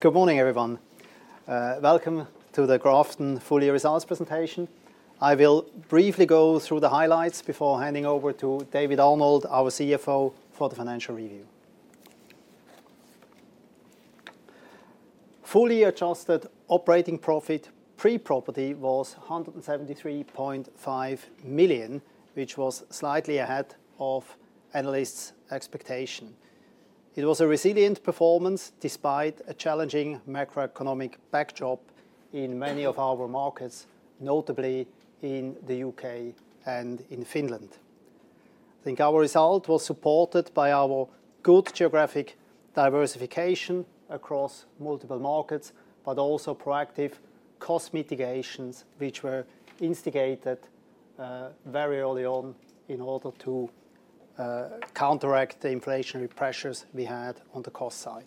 Good morning, everyone. Welcome to the Grafton full year results presentation. I will briefly go through the highlights before handing over to David Arnold, our CFO, for the financial review. Full year adjusted operating profit pre-property was 173.5 million, which was slightly ahead of analysts' expectations. It was a resilient performance despite a challenging macroeconomic backdrop in many of our markets, notably in the U.K. and in Finland. I think our result was supported by our good geographic diversification across multiple markets, but also proactive cost mitigations, which were instigated very early on in order to counteract the inflationary pressures we had on the cost side.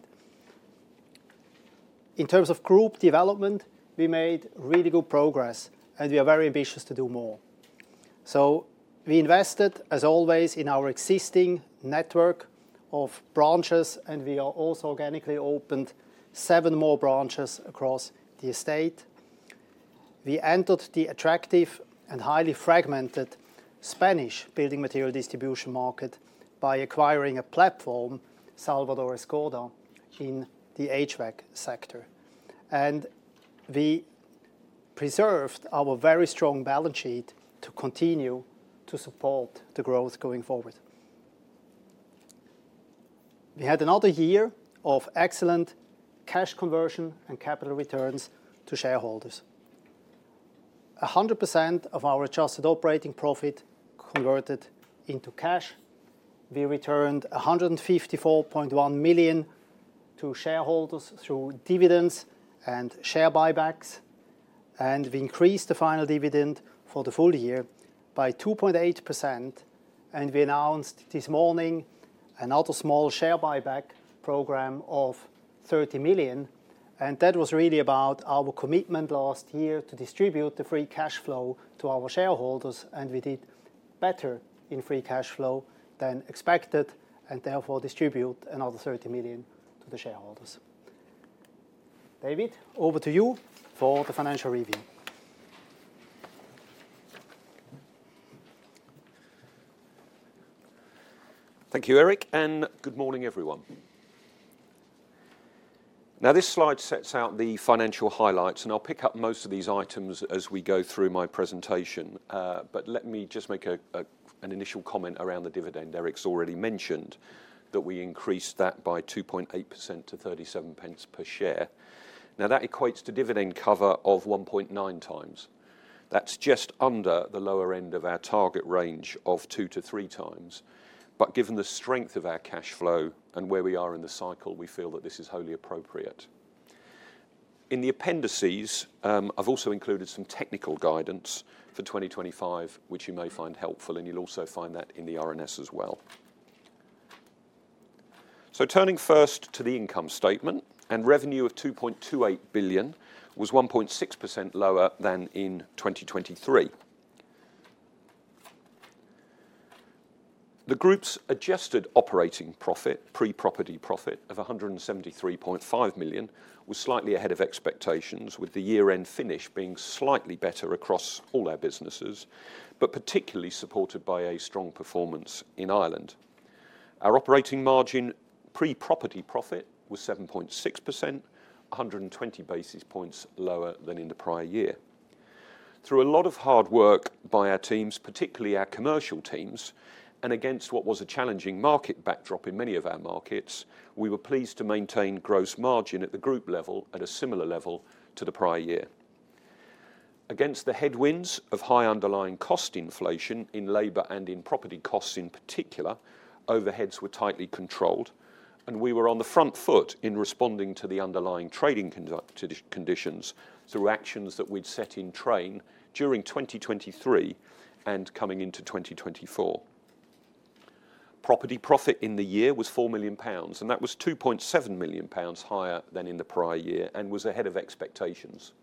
In terms of group development, we made really good progress, and we are very ambitious to do more. So, we invested, as always, in our existing network of branches, and we also organically opened seven more branches across the estate. We entered the attractive and highly fragmented Spanish building material distribution market by acquiring a platform, Salvador Escoda, in the HVAC sector. And we preserved our very strong balance sheet to continue to support the growth going forward. We had another year of excellent cash conversion and capital returns to shareholders. 100% of our adjusted operating profit converted into cash. We returned 154.1 million to shareholders through dividends and share buybacks. And we increased the final dividend for the full year by 2.8%. And we announced this morning another small share buyback program of 30 million. And that was really about our commitment last year to distribute the free cash flow to our shareholders. And we did better in free cash flow than expected and therefore distribute another 30 million to the shareholders. David, over to you for the financial review. Thank you, Eric. Good morning, everyone. Now, this slide sets out the financial highlights, and I'll pick up most of these items as we go through my presentation. Let me just make an initial comment around the dividend. Eric's already mentioned that we increased that by 2.8% to 0.37 per share. Now, that equates to dividend cover of 1.9x. That's just under the lower end of our target range of 2x-3x. Given the strength of our cash flow and where we are in the cycle, we feel that this is wholly appropriate. In the appendices, I've also included some technical guidance for 2025, which you may find helpful, and you'll also find that in the RNS as well. Turning first to the income statement, revenue of 2.28 billion was 1.6% lower than in 2023. The group's adjusted operating profit, pre-property profit of 173.5 million, was slightly ahead of expectations, with the year-end finish being slightly better across all our businesses but particularly supported by a strong performance in Ireland. Our operating margin pre-property profit was 7.6%, 120 basis points lower than in the prior year. Through a lot of hard work by our teams, particularly our commercial teams, and against what was a challenging market backdrop in many of our markets, we were pleased to maintain gross margin at the group level at a similar level to the prior year. Against the headwinds of high underlying cost inflation in labor and in property costs in particular, overheads were tightly controlled, and we were on the front foot in responding to the underlying trading conditions through actions that we'd set in train during 2023 and coming into 2024. Property profit in the year was 4 million pounds, and that was 2.7 million pounds higher than in the prior year and was ahead of expectations.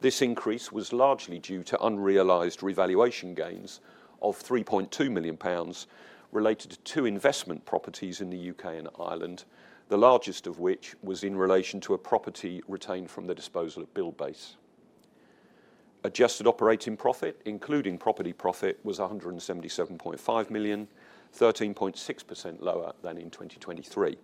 This increase was largely due to unrealized revaluation gains of 3.2 million pounds related to two investment properties in the U.K. and Ireland, the largest of which was in relation to a property retained from the disposal of Buildbase. Adjusted operating profit, including property profit, was 177.5 million, 13.6% lower than in 2023.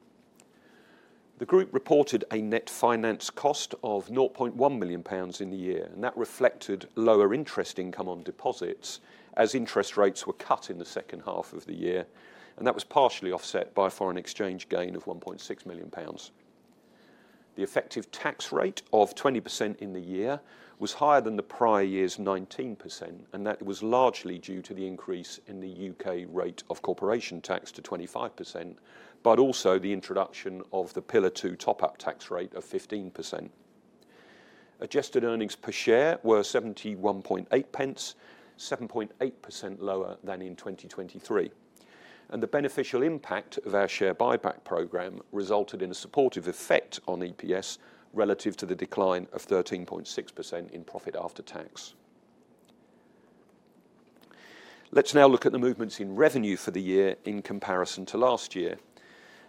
The group reported a net finance cost of 0.1 million pounds in the year, and that reflected lower interest income on deposits as interest rates were cut in the second half of the year, and that was partially offset by a foreign exchange gain of 1.6 million pounds. The effective tax rate of 20% in the year was higher than the prior year's 19%, and that was largely due to the increase in the U.K. rate of corporation tax to 25%, but also the introduction of the Pillar Two Top-up Tax Rate of 15%. Adjusted earnings per share were 0.71, 7.8% lower than in 2023, and the beneficial impact of our share buyback program resulted in a supportive effect on EPS relative to the decline of 13.6% in profit after tax. Let's now look at the movements in revenue for the year in comparison to last year,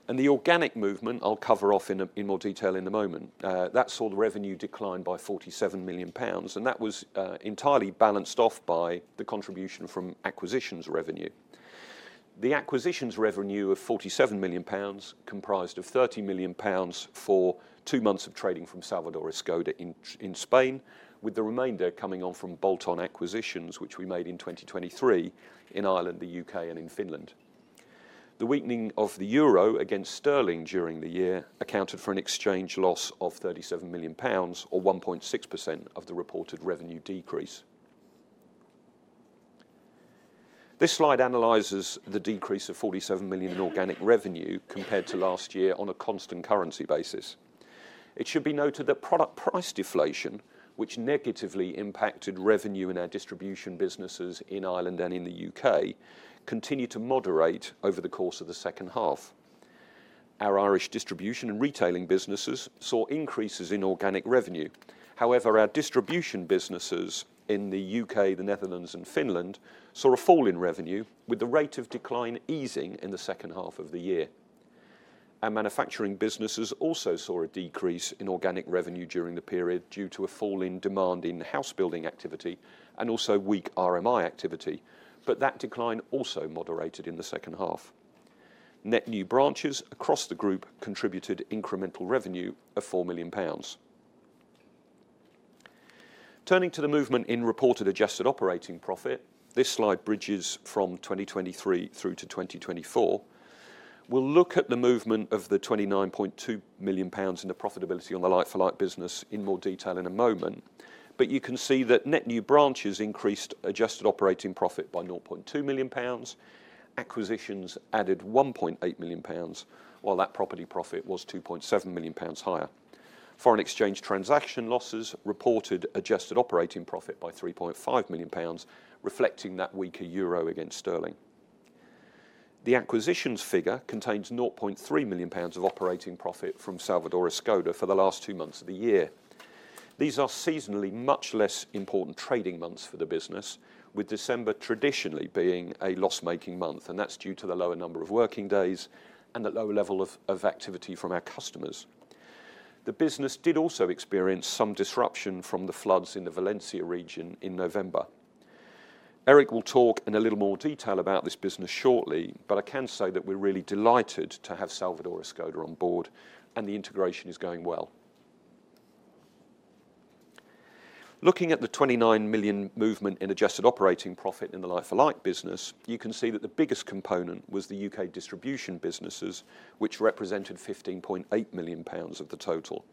and the organic movement I'll cover off in more detail in a moment. That saw the revenue decline by 47 million pounds, and that was entirely balanced off by the contribution from acquisitions revenue. The acquisitions revenue of 47 million pounds comprised of 30 million pounds for two months of trading from Salvador Escoda in Spain, with the remainder coming from other acquisitions, which we made in 2023 in Ireland, the U.K., and in Finland. The weakening of the euro against sterling during the year accounted for an exchange loss of 37 million pounds, or 1.6% of the reported revenue decrease. This slide analyses the decrease of 47 million in organic revenue compared to last year on a constant currency basis. It should be noted that product price deflation, which negatively impacted revenue in our distribution businesses in Ireland and in the U.K., continued to moderate over the course of the second half. Our Irish distribution and retailing businesses saw increases in organic revenue. However, our distribution businesses in the U.K., the Netherlands, and Finland saw a fall in revenue, with the rate of decline easing in the second half of the year. Our manufacturing businesses also saw a decrease in organic revenue during the period due to a fall in demand in house building activity and also weak RMI activity, but that decline also moderated in the second half. Net new branches across the group contributed incremental revenue of 4 million pounds. Turning to the movement in reported adjusted operating profit, this slide bridges from 2023 through to 2024. We'll look at the movement of the 29.2 million pounds in the profitability on the like-for-like business in more detail in a moment. But you can see that net new branches increased adjusted operating profit by 0.2 million pounds. Acquisitions added 1.8 million pounds, while that property profit was 2.7 million pounds higher. Foreign exchange transaction losses reduced adjusted operating profit by 3.5 million pounds, reflecting the weaker Euro against Sterling. The acquisitions figure contains 0.3 million pounds of operating profit from Salvador Escoda for the last two months of the year. These are seasonally much less important trading months for the business, with December traditionally being a loss-making month, and that's due to the lower number of working days and the lower level of activity from our customers. The business did also experience some disruption from the floods in the Valencia region in November. Eric will talk in a little more detail about this business shortly, but I can say that we're really delighted to have Salvador Escoda on board, and the integration is going well. Looking at the 29 million movement in adjusted operating profit in the like-for-like business, you can see that the biggest component was the U.K. distribution businesses, which represented 15.8 million pounds of the total.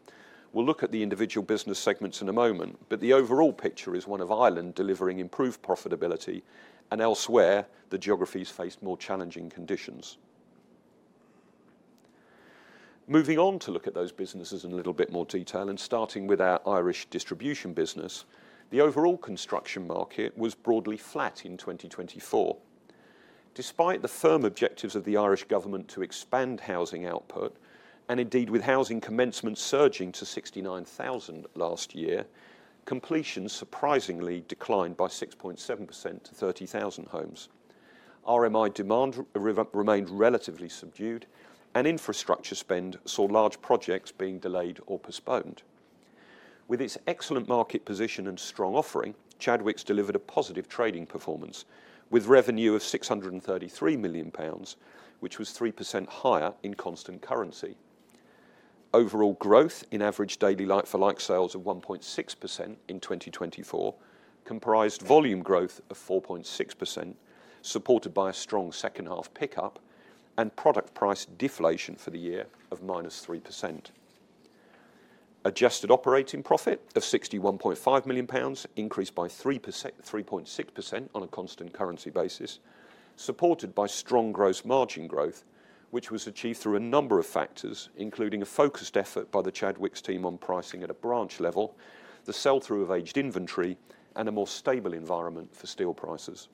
We'll look at the individual business segments in a moment, but the overall picture is one of Ireland delivering improved profitability, and elsewhere the geographies faced more challenging conditions. Moving on to look at those businesses in a little bit more detail, and starting with our Irish distribution business, the overall construction market was broadly flat in 2024. Despite the firm objectives of the Irish government to expand housing output, and indeed with housing commencement surging to 69,000 last year, completion surprisingly declined by 6.7% to 30,000 homes. RMI demand remained relatively subdued, and infrastructure spend saw large projects being delayed or postponed. With its excellent market position and strong offering, Chadwicks delivered a positive trading performance with revenue of 633 million pounds, which was 3% higher in constant currency. Overall growth in average daily like-for-like sales of 1.6% in 2024 comprised volume growth of 4.6%, supported by a strong second half pickup and product price deflation for the year of -3%. Adjusted operating profit of 61.5 million pounds increased by 3.6% on a constant currency basis, supported by strong gross margin growth, which was achieved through a number of factors, including a focused effort by the Chadwicks team on pricing at a branch level, the sell-through of aged inventory, and a more stable environment for steel prices.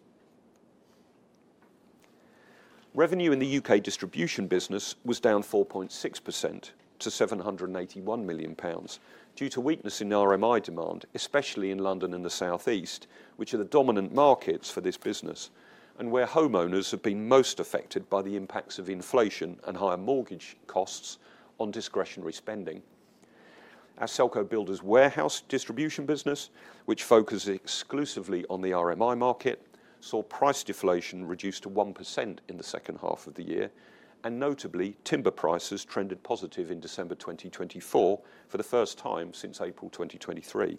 Revenue in the U.K. distribution business was down 4.6% to 781 million pounds due to weakness in RMI demand, especially in London and the Southeast, which are the dominant markets for this business, and where homeowners have been most affected by the impacts of inflation and higher mortgage costs on discretionary spending. Our Selco Builders Warehouse distribution business, which focuses exclusively on the RMI market, saw price deflation reduced to 1% in the second half of the year, and notably, timber prices trended positive in December 2024 for the first time since April 2023.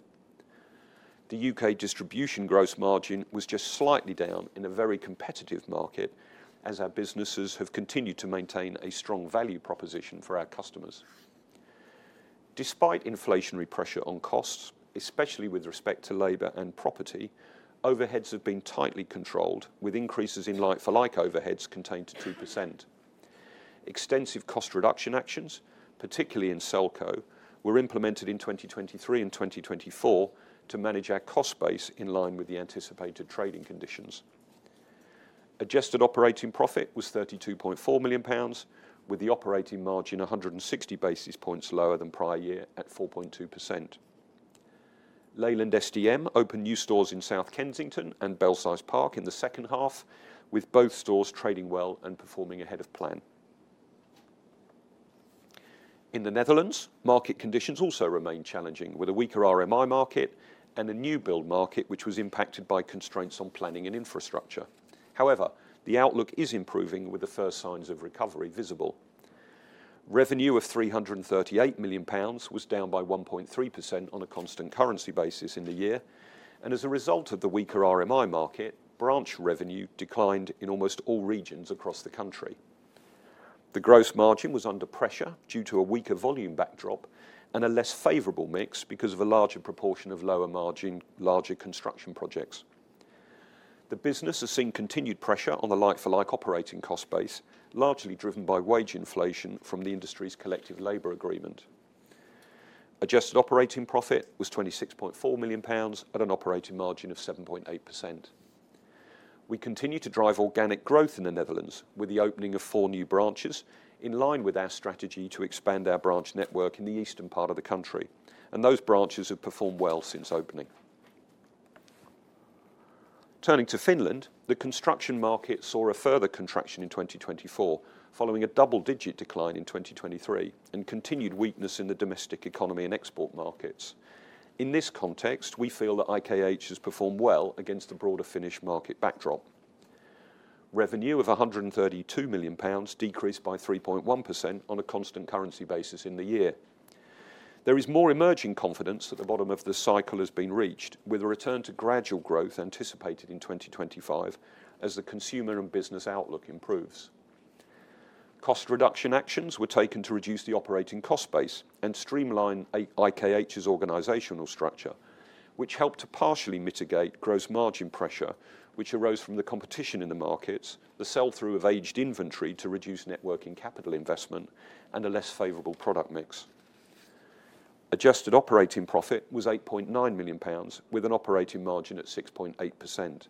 The U.K. distribution gross margin was just slightly down in a very competitive market, as our businesses have continued to maintain a strong value proposition for our customers. Despite inflationary pressure on costs, especially with respect to labor and property, overheads have been tightly controlled, with increases in like-for-like overheads contained to 2%. Extensive cost reduction actions, particularly in Selco, were implemented in 2023 and 2024 to manage our cost base in line with the anticipated trading conditions. Adjusted operating profit was 32.4 million pounds, with the operating margin 160 basis points lower than prior year at 4.2%. Leyland SDM opened new stores in South Kensington and Belsize Park in the second half, with both stores trading well and performing ahead of plan. In the Netherlands, market conditions also remain challenging, with a weaker RMI market and a new build market, which was impacted by constraints on planning and infrastructure. However, the outlook is improving, with the first signs of recovery visible. Revenue of 338 million pounds was down by 1.3% on a constant currency basis in the year, and as a result of the weaker RMI market, branch revenue declined in almost all regions across the country. The gross margin was under pressure due to a weaker volume backdrop and a less favorable mix because of a larger proportion of lower margin, larger construction projects. The business has seen continued pressure on the like-for-like operating cost base, largely driven by wage inflation from the industry's collective labor agreement. Adjusted operating profit was 26.4 million pounds at an operating margin of 7.8%. We continue to drive organic growth in the Netherlands with the opening of four new branches in line with our strategy to expand our branch network in the eastern part of the country, and those branches have performed well since opening. Turning to Finland, the construction market saw a further contraction in 2024, following a double-digit decline in 2023 and continued weakness in the domestic economy and export markets. In this context, we feel that IKH has performed well against the broader Finnish market backdrop. Revenue of 132 million pounds decreased by 3.1% on a constant currency basis in the year. There is more emerging confidence that the bottom of the cycle has been reached, with a return to gradual growth anticipated in 2025 as the consumer and business outlook improves. Cost reduction actions were taken to reduce the operating cost base and streamline IKH's organizational structure, which helped to partially mitigate gross margin pressure, which arose from the competition in the markets, the sell-through of aged inventory to reduce net working capital investment, and a less favourable product mix. Adjusted operating profit was 8.9 million pounds, with an operating margin at 6.8%.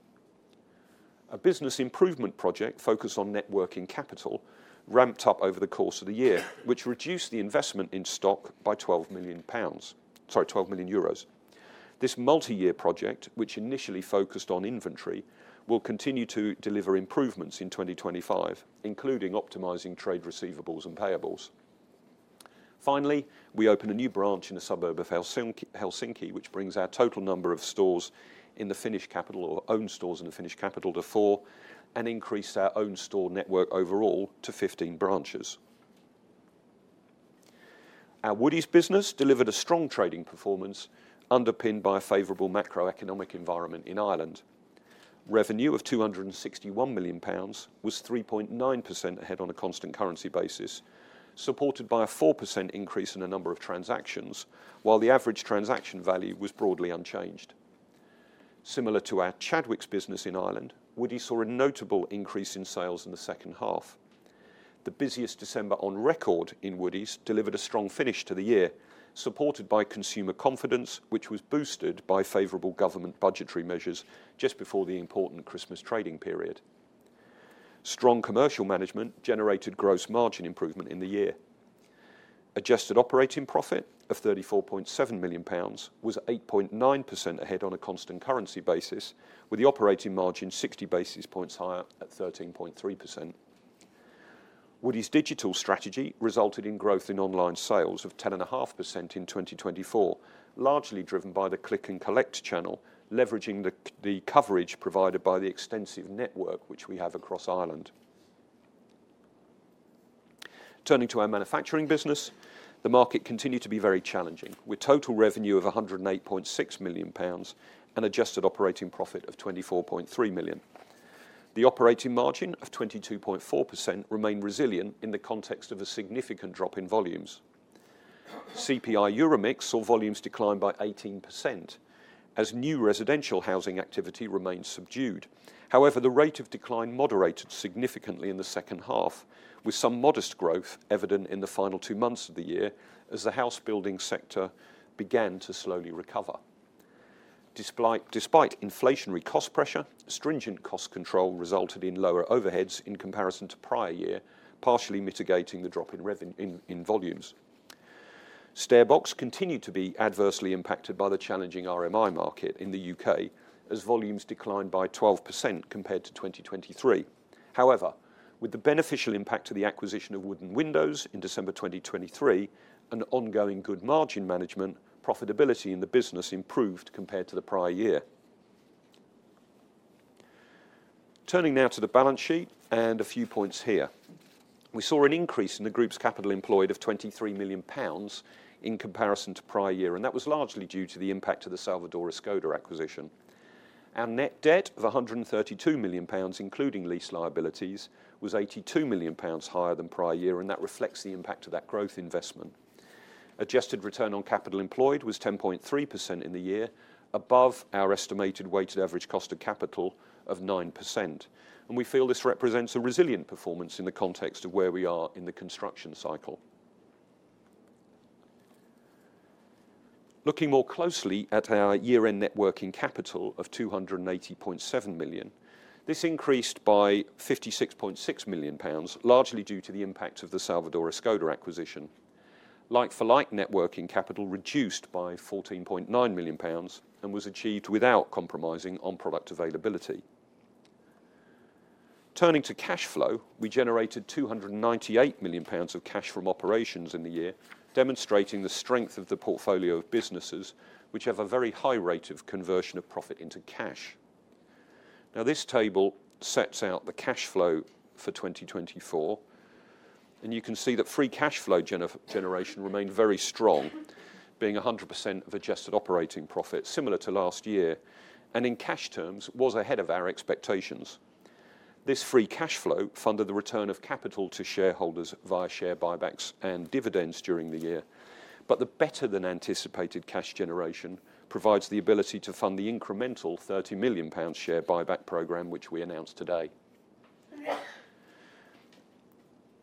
A business improvement project focused on net working capital ramped up over the course of the year, which reduced the investment in stock by 12 million euros. This multi-year project, which initially focused on inventory, will continue to deliver improvements in 2025, including optimizing trade receivables and payables. Finally, we opened a new branch in a suburb of Helsinki, which brings our total number of stores in the Finnish capital, or owned stores in the Finnish capital, to four and increased our owned store network overall to 15 branches. Our Woodie's business delivered a strong trading performance underpinned by a favorable macroeconomic environment in Ireland. Revenue of 261 million pounds was 3.9% ahead on a constant currency basis, supported by a 4% increase in the number of transactions, while the average transaction value was broadly unchanged. Similar to our Chadwicks business in Ireland, Woodie's saw a notable increase in sales in the second half. The busiest December on record in Woodie's delivered a strong finish to the year, supported by consumer confidence, which was boosted by favourable government budgetary measures just before the important Christmas trading period. Strong commercial management generated gross margin improvement in the year. Adjusted operating profit of 34.7 million pounds was 8.9% ahead on a constant currency basis, with the operating margin 60 basis points higher at 13.3%. Woodie's digital strategy resulted in growth in online sales of 10.5% in 2024, largely driven by the click and collect channel, leveraging the coverage provided by the extensive network which we have across Ireland. Turning to our manufacturing business, the market continued to be very challenging, with total revenue of 108.6 million pounds and adjusted operating profit of 24.3 million. The operating margin of 22.4% remained resilient in the context of a significant drop in volumes. CPI Euromix saw volumes decline by 18% as new residential housing activity remained subdued. However, the rate of decline moderated significantly in the second half, with some modest growth evident in the final two months of the year as the house building sector began to slowly recover. Despite inflationary cost pressure, stringent cost control resulted in lower overheads in comparison to prior year, partially mitigating the drop in volumes. StairBox continued to be adversely impacted by the challenging RMI market in the U.K. as volumes declined by 12% compared to 2023. However, with the beneficial impact of the acquisition of Wooden Windows in December 2023, and ongoing good margin management, profitability in the business improved compared to the prior year. Turning now to the balance sheet and a few points here. We saw an increase in the group's capital employed of 23 million pounds in comparison to prior year, and that was largely due to the impact of the Salvador Escoda acquisition. Our net debt of GBP 132 million, including lease liabilities, was GBP 82 million higher than prior year, and that reflects the impact of that growth investment. Adjusted return on capital employed was 10.3% in the year, above our estimated weighted average cost of capital of 9%. We feel this represents a resilient performance in the context of where we are in the construction cycle. Looking more closely at our year-end net working capital of 280.7 million, this increased by 56.6 million pounds, largely due to the impact of the Salvador Escoda acquisition. Like-for-like net working capital reduced by 14.9 million pounds and was achieved without compromising on product availability. Turning to cash flow, we generated 298 million pounds of cash from operations in the year, demonstrating the strength of the portfolio of businesses which have a very high rate of conversion of profit into cash. Now, this table sets out the cash flow for 2024, and you can see that free cash flow generation remained very strong, being 100% of adjusted operating profit, similar to last year, and in cash terms was ahead of our expectations. This free cash flow funded the return of capital to shareholders via share buybacks and dividends during the year, but the better than anticipated cash generation provides the ability to fund the incremental 30 million pounds share buyback program which we announced today.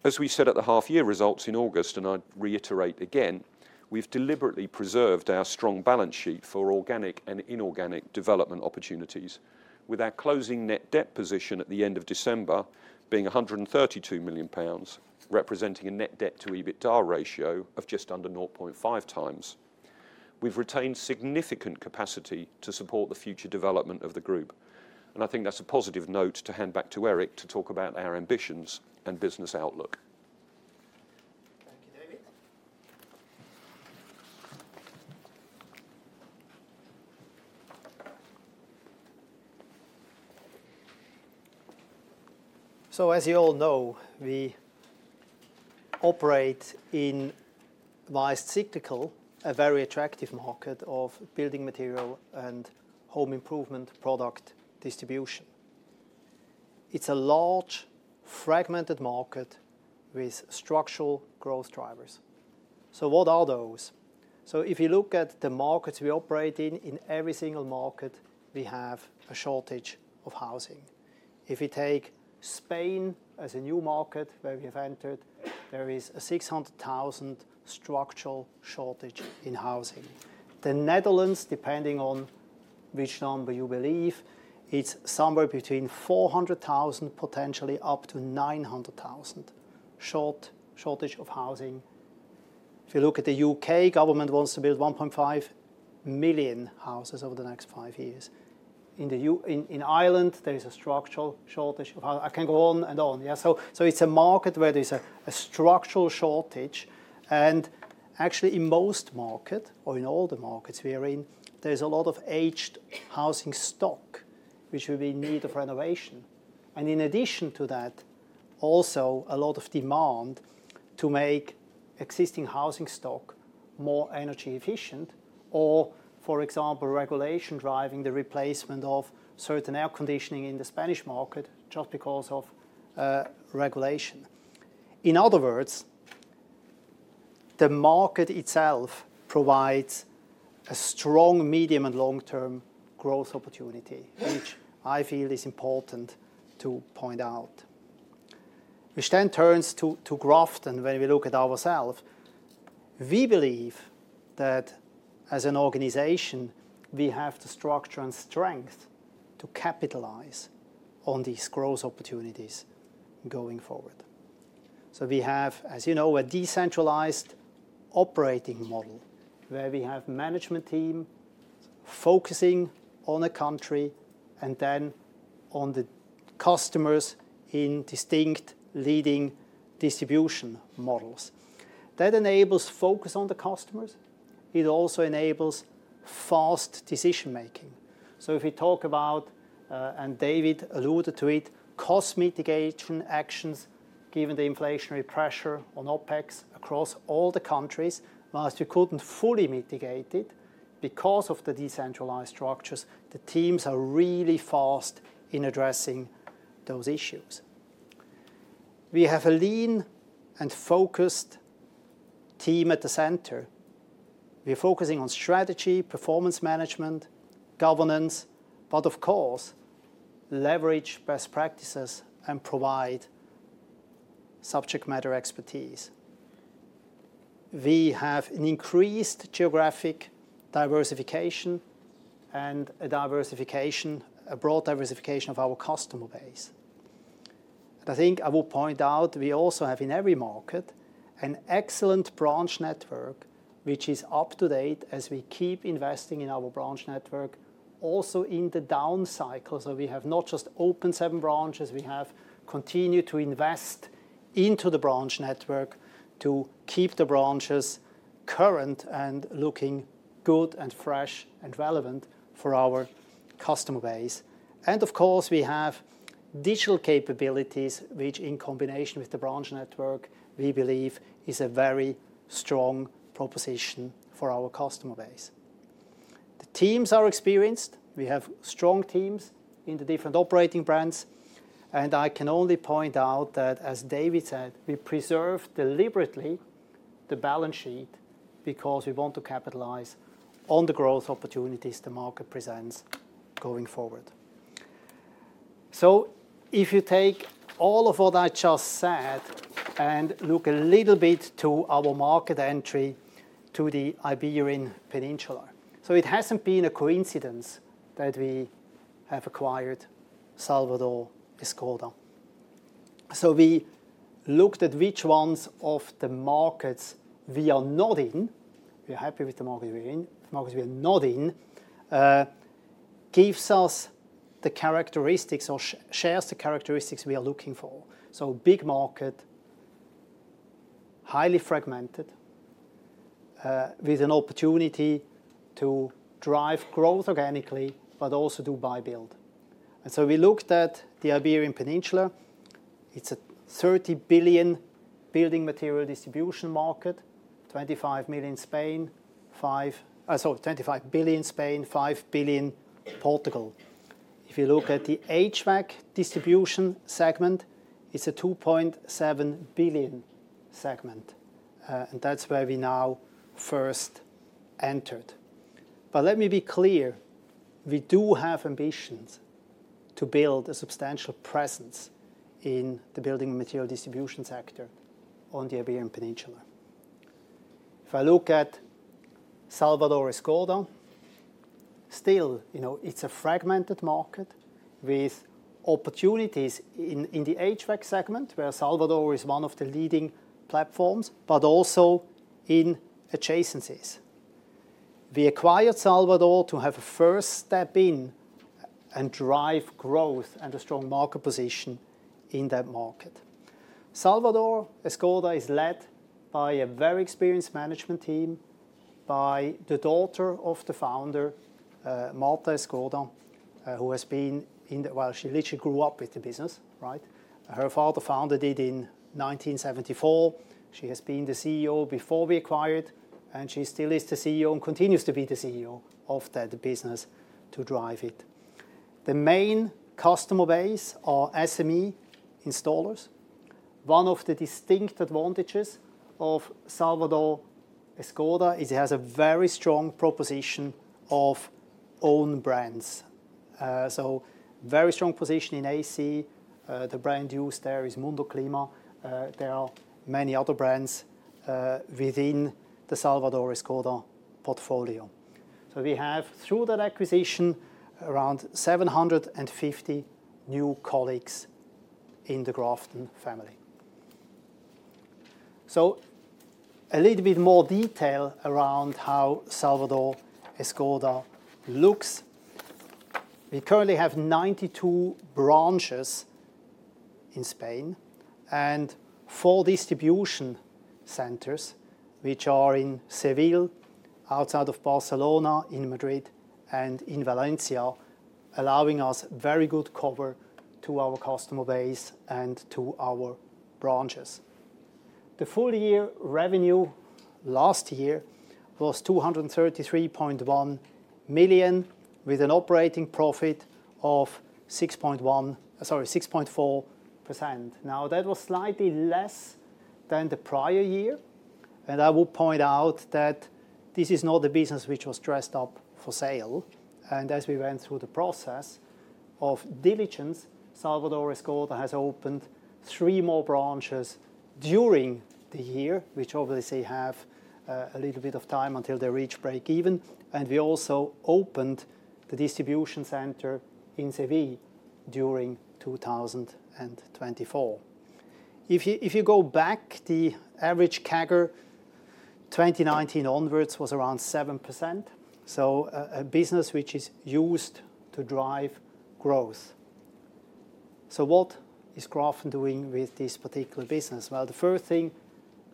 As we said at the half-year results in August, and I reiterate again, we've deliberately preserved our strong balance sheet for organic and inorganic development opportunities, with our closing net debt position at the end of December being 132 million pounds, representing a net debt to EBITDA ratio of just under 0.5x. We've retained significant capacity to support the future development of the group, and I think that's a positive note to hand back to Eric to talk about our ambitions and business outlook. Thank you, David. So, as you all know, we operate in, it's cyclical, a very attractive market of building material and home improvement product distribution. It's a large, fragmented market with structural growth drivers. So, what are those? So, if you look at the markets we operate in, in every single market, we have a shortage of housing. If you take Spain as a new market where we have entered, there is a 600,000 structural shortage in housing. The Netherlands, depending on which number you believe, it's somewhere between 400,000, potentially up to 900,000 shortage of housing. If you look at the U.K., government wants to build 1.5 million houses over the next five years. In Ireland, there is a structural shortage of housing. I can go on and on. Yeah, so it's a market where there is a structural shortage, and actually in most markets, or in all the markets we are in, there is a lot of aged housing stock which will be in need of renovation. And in addition to that, also a lot of demand to make existing housing stock more energy efficient, or, for example, regulation driving the replacement of certain air conditioning in the Spanish market just because of regulation. In other words, the market itself provides a strong medium and long-term growth opportunity, which I feel is important to point out, which then turns to Grafton when we look at ourselves. We believe that as an organization, we have the structure and strength to capitalize on these growth opportunities going forward, so we have, as you know, a decentralized operating model where we have a management team focusing on a country and then on the customers in distinct leading distribution models. That enables focus on the customers. It also enables fast decision making, so if we talk about, and David alluded to it, cost mitigation actions given the inflationary pressure on OpEx across all the countries, while we couldn't fully mitigate it because of the decentralized structures, the teams are really fast in addressing those issues. We have a lean and focused team at the centre. We are focusing on strategy, performance management, governance, but of course, leverage best practices and provide subject matter expertise. We have an increased geographic diversification and a diversification, a broad diversification of our customer base. And I think I will point out we also have in every market an excellent branch network which is up to date as we keep investing in our branch network, also in the down cycle. So, we have not just opened seven branches, we have continued to invest into the branch network to keep the branches current and looking good and fresh and relevant for our customer base. And of course, we have digital capabilities which, in combination with the branch network, we believe is a very strong proposition for our customer base. The teams are experienced. We have strong teams in the different operating brands, and I can only point out that, as David said, we preserved deliberately the balance sheet because we want to capitalize on the growth opportunities the market presents going forward, so if you take all of what I just said and look a little bit to our market entry to the Iberian Peninsula, so it hasn't been a coincidence that we have acquired Salvador Escoda, so we looked at which ones of the markets we are not in. We are happy with the market we are in. The markets we are not in gives us the characteristics or shares the characteristics we are looking for, so big market, highly fragmented, with an opportunity to drive growth organically, but also do buy-build, and so we looked at the Iberian Peninsula. It's a 30 billion building material distribution market, 25 billion Spain, 25 billion Spain, 5 billion Portugal. If you look at the HVAC distribution segment, it's a 2.7 billion segment, and that's where we now first entered. But let me be clear, we do have ambitions to build a substantial presence in the building material distribution sector on the Iberian Peninsula. If I look at Salvador Escoda, still, you know, it's a fragmented market with opportunities in the HVAC segment where Salvador is one of the leading platforms, but also in adjacencies. We acquired Salvador to have a first step in and drive growth and a strong market position in that market. Salvador Escoda is led by a very experienced management team, by the daughter of the founder, Marta Escoda, who has been in the, well, she literally grew up with the business, right? Her father founded it in 1974. She has been the CEO before we acquired, and she still is the CEO and continues to be the CEO of that business to drive it. The main customer base are SME installers. One of the distinct advantages of Salvador Escoda is it has a very strong proposition of own brands. So, very strong position in AC. The brand used there is Mundoclima. There are many other brands within the Salvador Escoda portfolio. So, we have, through that acquisition, around 750 new colleagues in the Grafton family. So, a little bit more detail around how Salvador Escoda looks. We currently have 92 branches in Spain and four distribution centers which are in Seville, outside of Barcelona, in Madrid, and in Valencia, allowing us very good cover to our customer base and to our branches. The full year revenue last year was 233.1 million, with an operating profit of 6.1, sorry, 6.4%. Now, that was slightly less than the prior year, and I will point out that this is not a business which was dressed up for sale. As we went through the process of diligence, Salvador Escoda has opened three more branches during the year, which obviously have a little bit of time until they reach break-even. We also opened the distribution center in Seville during 2024. If you go back, the average CAGR 2019 onwards was around 7%. A business which is used to drive growth. What is Grafton doing with this particular business? The first thing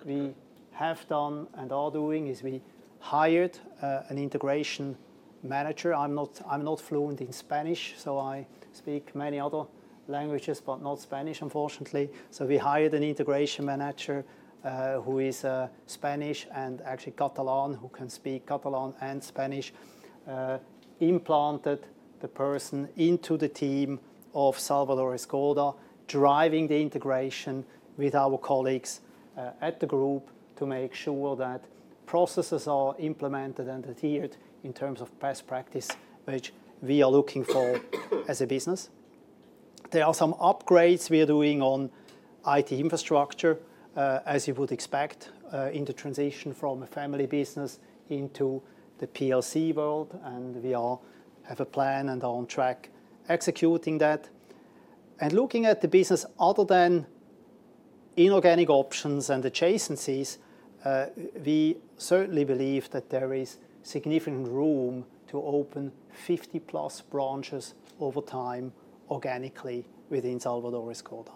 we have done and are doing is we hired an integration manager. I'm not fluent in Spanish, so I speak many other languages, but not Spanish, unfortunately. We hired an integration manager who is Spanish and actually Catalan, who can speak Catalan and Spanish, implanted the person into the team of Salvador Escoda, driving the integration with our colleagues at the group to make sure that processes are implemented and adhered in terms of best practice which we are looking for as a business. There are some upgrades we are doing on IT infrastructure, as you would expect in the transition from a family business into the PLC world, and we have a plan and are on track executing that. Looking at the business other than inorganic options and adjacencies, we certainly believe that there is significant room to open 50 plus branches over time organically within Salvador Escoda.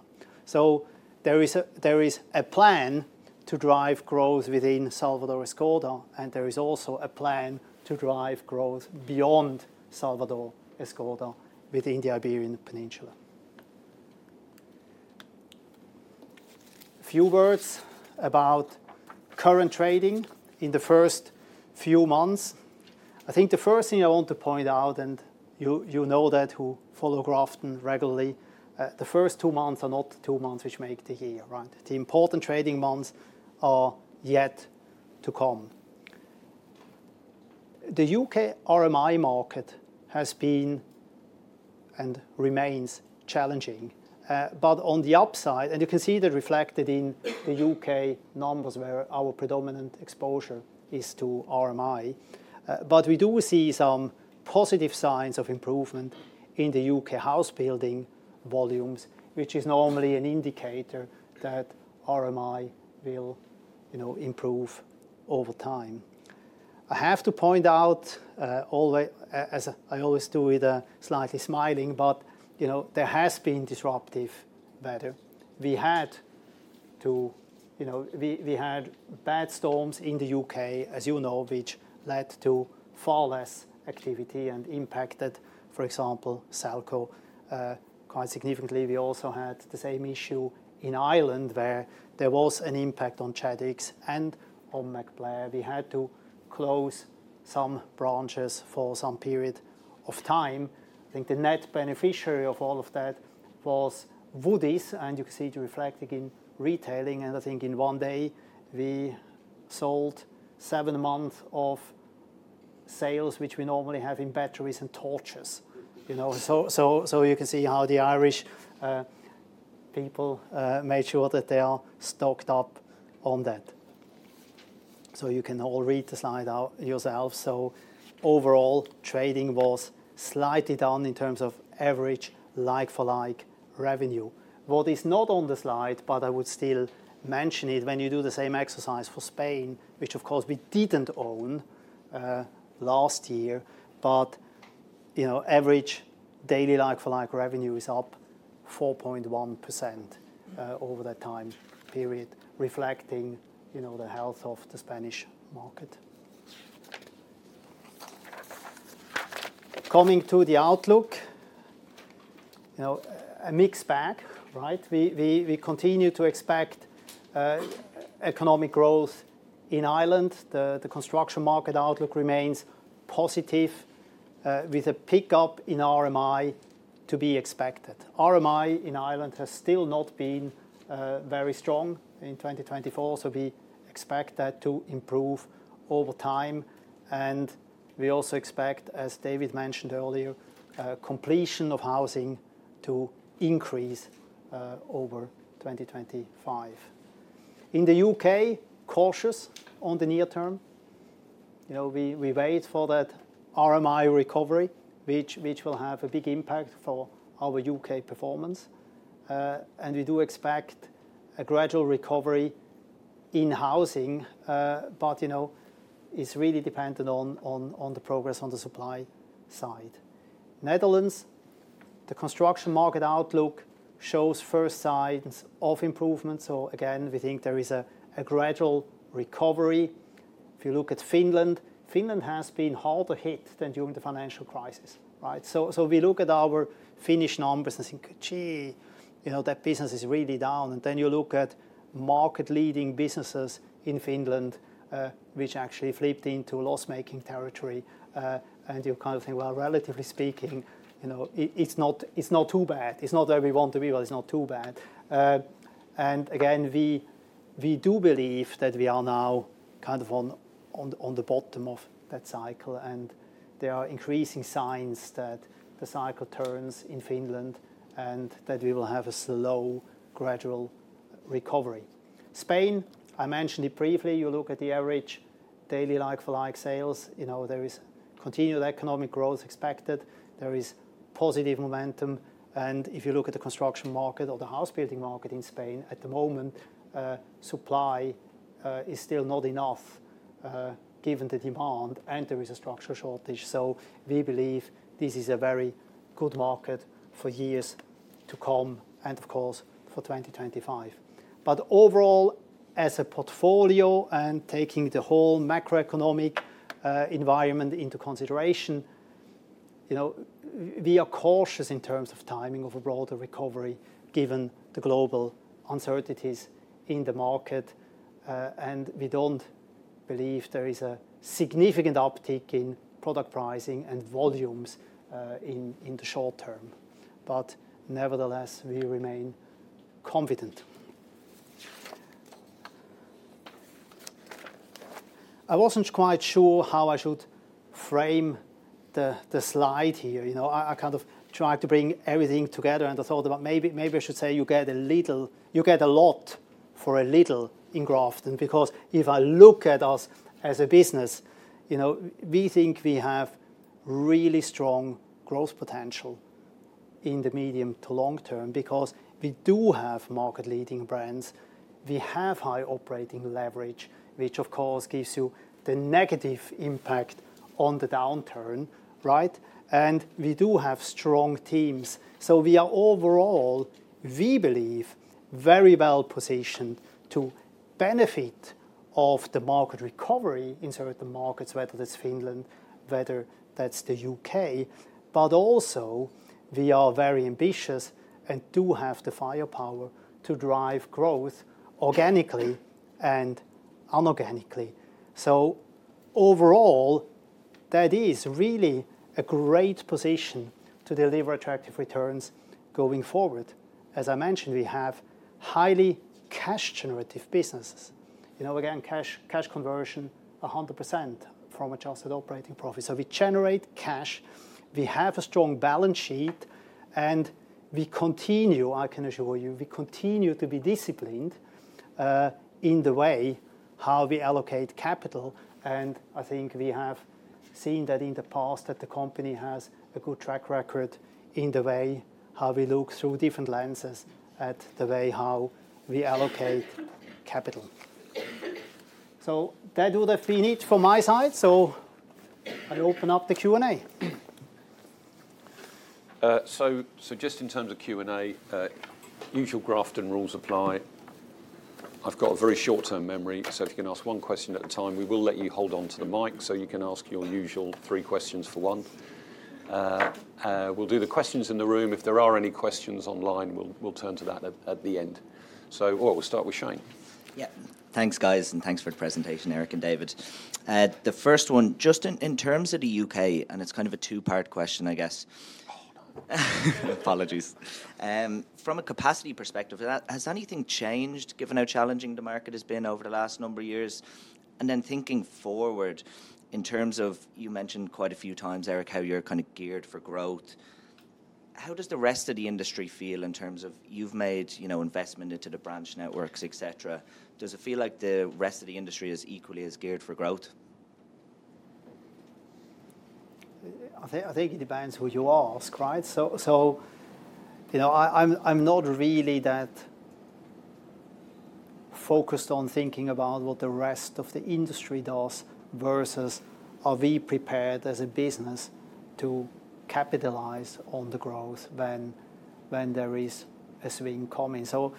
So, there is a plan to drive growth within Salvador Escoda, and there is also a plan to drive growth beyond Salvador Escoda within the Iberian Peninsula. A few words about current trading in the first few months. I think the first thing I want to point out, and you know that who follow Grafton regularly, the first two months are not two months which make the year, right? The important trading months are yet to come. The U.K. RMI market has been and remains challenging, but on the upside, and you can see that reflected in the U.K. numbers where our predominant exposure is to RMI. But we do see some positive signs of improvement in the U.K. house building volumes, which is normally an indicator that RMI will, you know, improve over time. I have to point out, as I always do with a slightly smiling, but you know, there has been disruptive weather. We had to, you know, we had bad storms in the U.K., as you know, which led to far less activity and impacted, for example, Selco quite significantly. We also had the same issue in Ireland where there was an impact on Chadwicks and on MacBlair. We had to close some branches for some period of time. I think the net beneficiary of all of that was Woodie's, and you can see it reflected in retailing. And I think in one day we sold seven months of sales which we normally have in batteries and torches, you know. So, you can see how the Irish people made sure that they are stocked up on that. So, you can all read the slide out yourselves. So, overall trading was slightly down in terms of average like-for-like revenue. What is not on the slide, but I would still mention it when you do the same exercise for Spain, which of course we didn't own last year, but you know, average daily like-for-like revenue is up 4.1% over that time period, reflecting, you know, the health of the Spanish market. Coming to the outlook, you know, a mixed bag, right? We continue to expect economic growth in Ireland. The construction market outlook remains positive with a pickup in RMI to be expected. RMI in Ireland has still not been very strong in 2024, so we expect that to improve over time. And we also expect, as David mentioned earlier, completion of housing to increase over 2025. In the U.K., cautious on the near term. You know, we wait for that RMI recovery, which will have a big impact for our U.K. performance. And we do expect a gradual recovery in housing, but you know, it's really dependent on the progress on the supply side. Netherlands, the construction market outlook shows first signs of improvement. So, again, we think there is a gradual recovery. If you look at Finland, Finland has been harder hit than during the financial crisis, right? So, we look at our Finnish numbers and think, gee, you know, that business is really down. And then you look at market-leading businesses in Finland, which actually flipped into loss-making territory. And you kind of think, well, relatively speaking, you know, it's not too bad. It's not where we want to be, but it's not too bad. And again, we do believe that we are now kind of on the bottom of that cycle, and there are increasing signs that the cycle turns in Finland and that we will have a slow, gradual recovery. Spain, I mentioned it briefly. You look at the average daily like-for-like sales. You know, there is continued economic growth expected. There is positive momentum. And if you look at the construction market or the house building market in Spain, at the moment, supply is still not enough given the demand, and there is a structural shortage. So, we believe this is a very good market for years to come and, of course, for 2025. But overall, as a portfolio and taking the whole macroeconomic environment into consideration, you know, we are cautious in terms of timing of a broader recovery given the global uncertainties in the market. And we don't believe there is a significant uptick in product pricing and volumes in the short term. But nevertheless, we remain confident. I wasn't quite sure how I should frame the slide here. You know, I kind of tried to bring everything together, and I thought about maybe I should say you get a little, you get a lot for a little in Grafton. Because if I look at us as a business, you know, we think we have really strong growth potential in the medium to long term because we do have market-leading brands. We have high operating leverage, which of course gives you the negative impact on the downturn, right? And we do have strong teams. So, we are overall, we believe, very well positioned to benefit of the market recovery in certain markets, whether that's Finland, whether that's the U.K. But also, we are very ambitious and do have the firepower to drive growth organically and inorganically. So, overall, that is really a great position to deliver attractive returns going forward. As I mentioned, we have highly cash-generative businesses. You know, again, cash conversion 100% from adjusted operating profit. So, we generate cash, we have a strong balance sheet, and we continue, I can assure you, we continue to be disciplined in the way how we allocate capital. And I think we have seen that in the past that the company has a good track record in the way how we look through different lenses at the way how we allocate capital. So, that would have been it from my side. So, I open up the Q&A. So, just in terms of Q&A, usual Grafton rules apply. I've got a very short-term memory, so if you can ask one question at a time, we will let you hold on to the mic so you can ask your usual three questions for one. We'll do the questions in the room. If there are any questions online, we'll turn to that at the end. So, we'll start with Shane. Yeah. Thanks, guys, and thanks for the presentation, Eric and David. The first one, just in terms of the U.K., and it's kind of a two-part question, I guess. Oh, no. Apologies. From a capacity perspective, has anything changed given how challenging the market has been over the last number of years? And then thinking forward in terms of, you mentioned quite a few times, Eric, how you're kind of geared for growth, how does the rest of the industry feel in terms of you've made, you know, investment into the branch networks, etc.? Does it feel like the rest of the industry is equally as geared for growth? I think it depends who you ask, right? So, you know, I'm not really that focused on thinking about what the rest of the industry does versus are we prepared as a business to capitalize on the growth when there is a swing coming. So,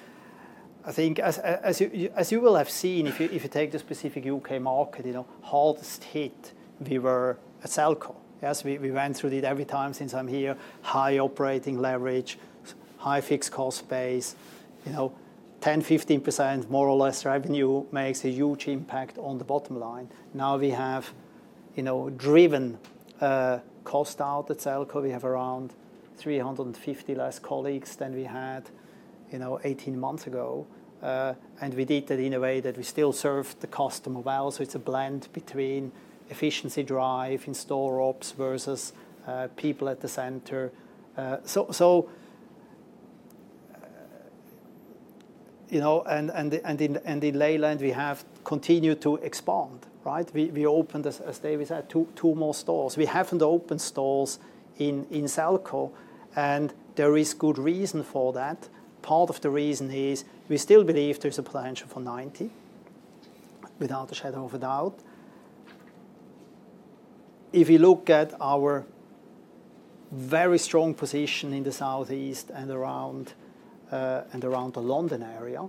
I think as you will have seen, if you take the specific U.K. market, you know, hardest hit we were at Selco. Yes, we went through it every time since I'm here. High operating leverage, high fixed cost base, you know, 10%-15% more or less revenue makes a huge impact on the bottom line. Now we have, you know, driven cost out at Selco. We have around 350 less colleagues than we had, you know, 18 months ago, and we did that in a way that we still serve the customer well, so it's a blend between efficiency drive in store ops versus people at the centre, so you know, and in Leyland, we have continued to expand, right? We opened, as David said, two more stores. We haven't opened stores in Selco, and there is good reason for that. Part of the reason is we still believe there's a potential for 90, without a shadow of a doubt. If you look at our very strong position in the Southeast and around the London area,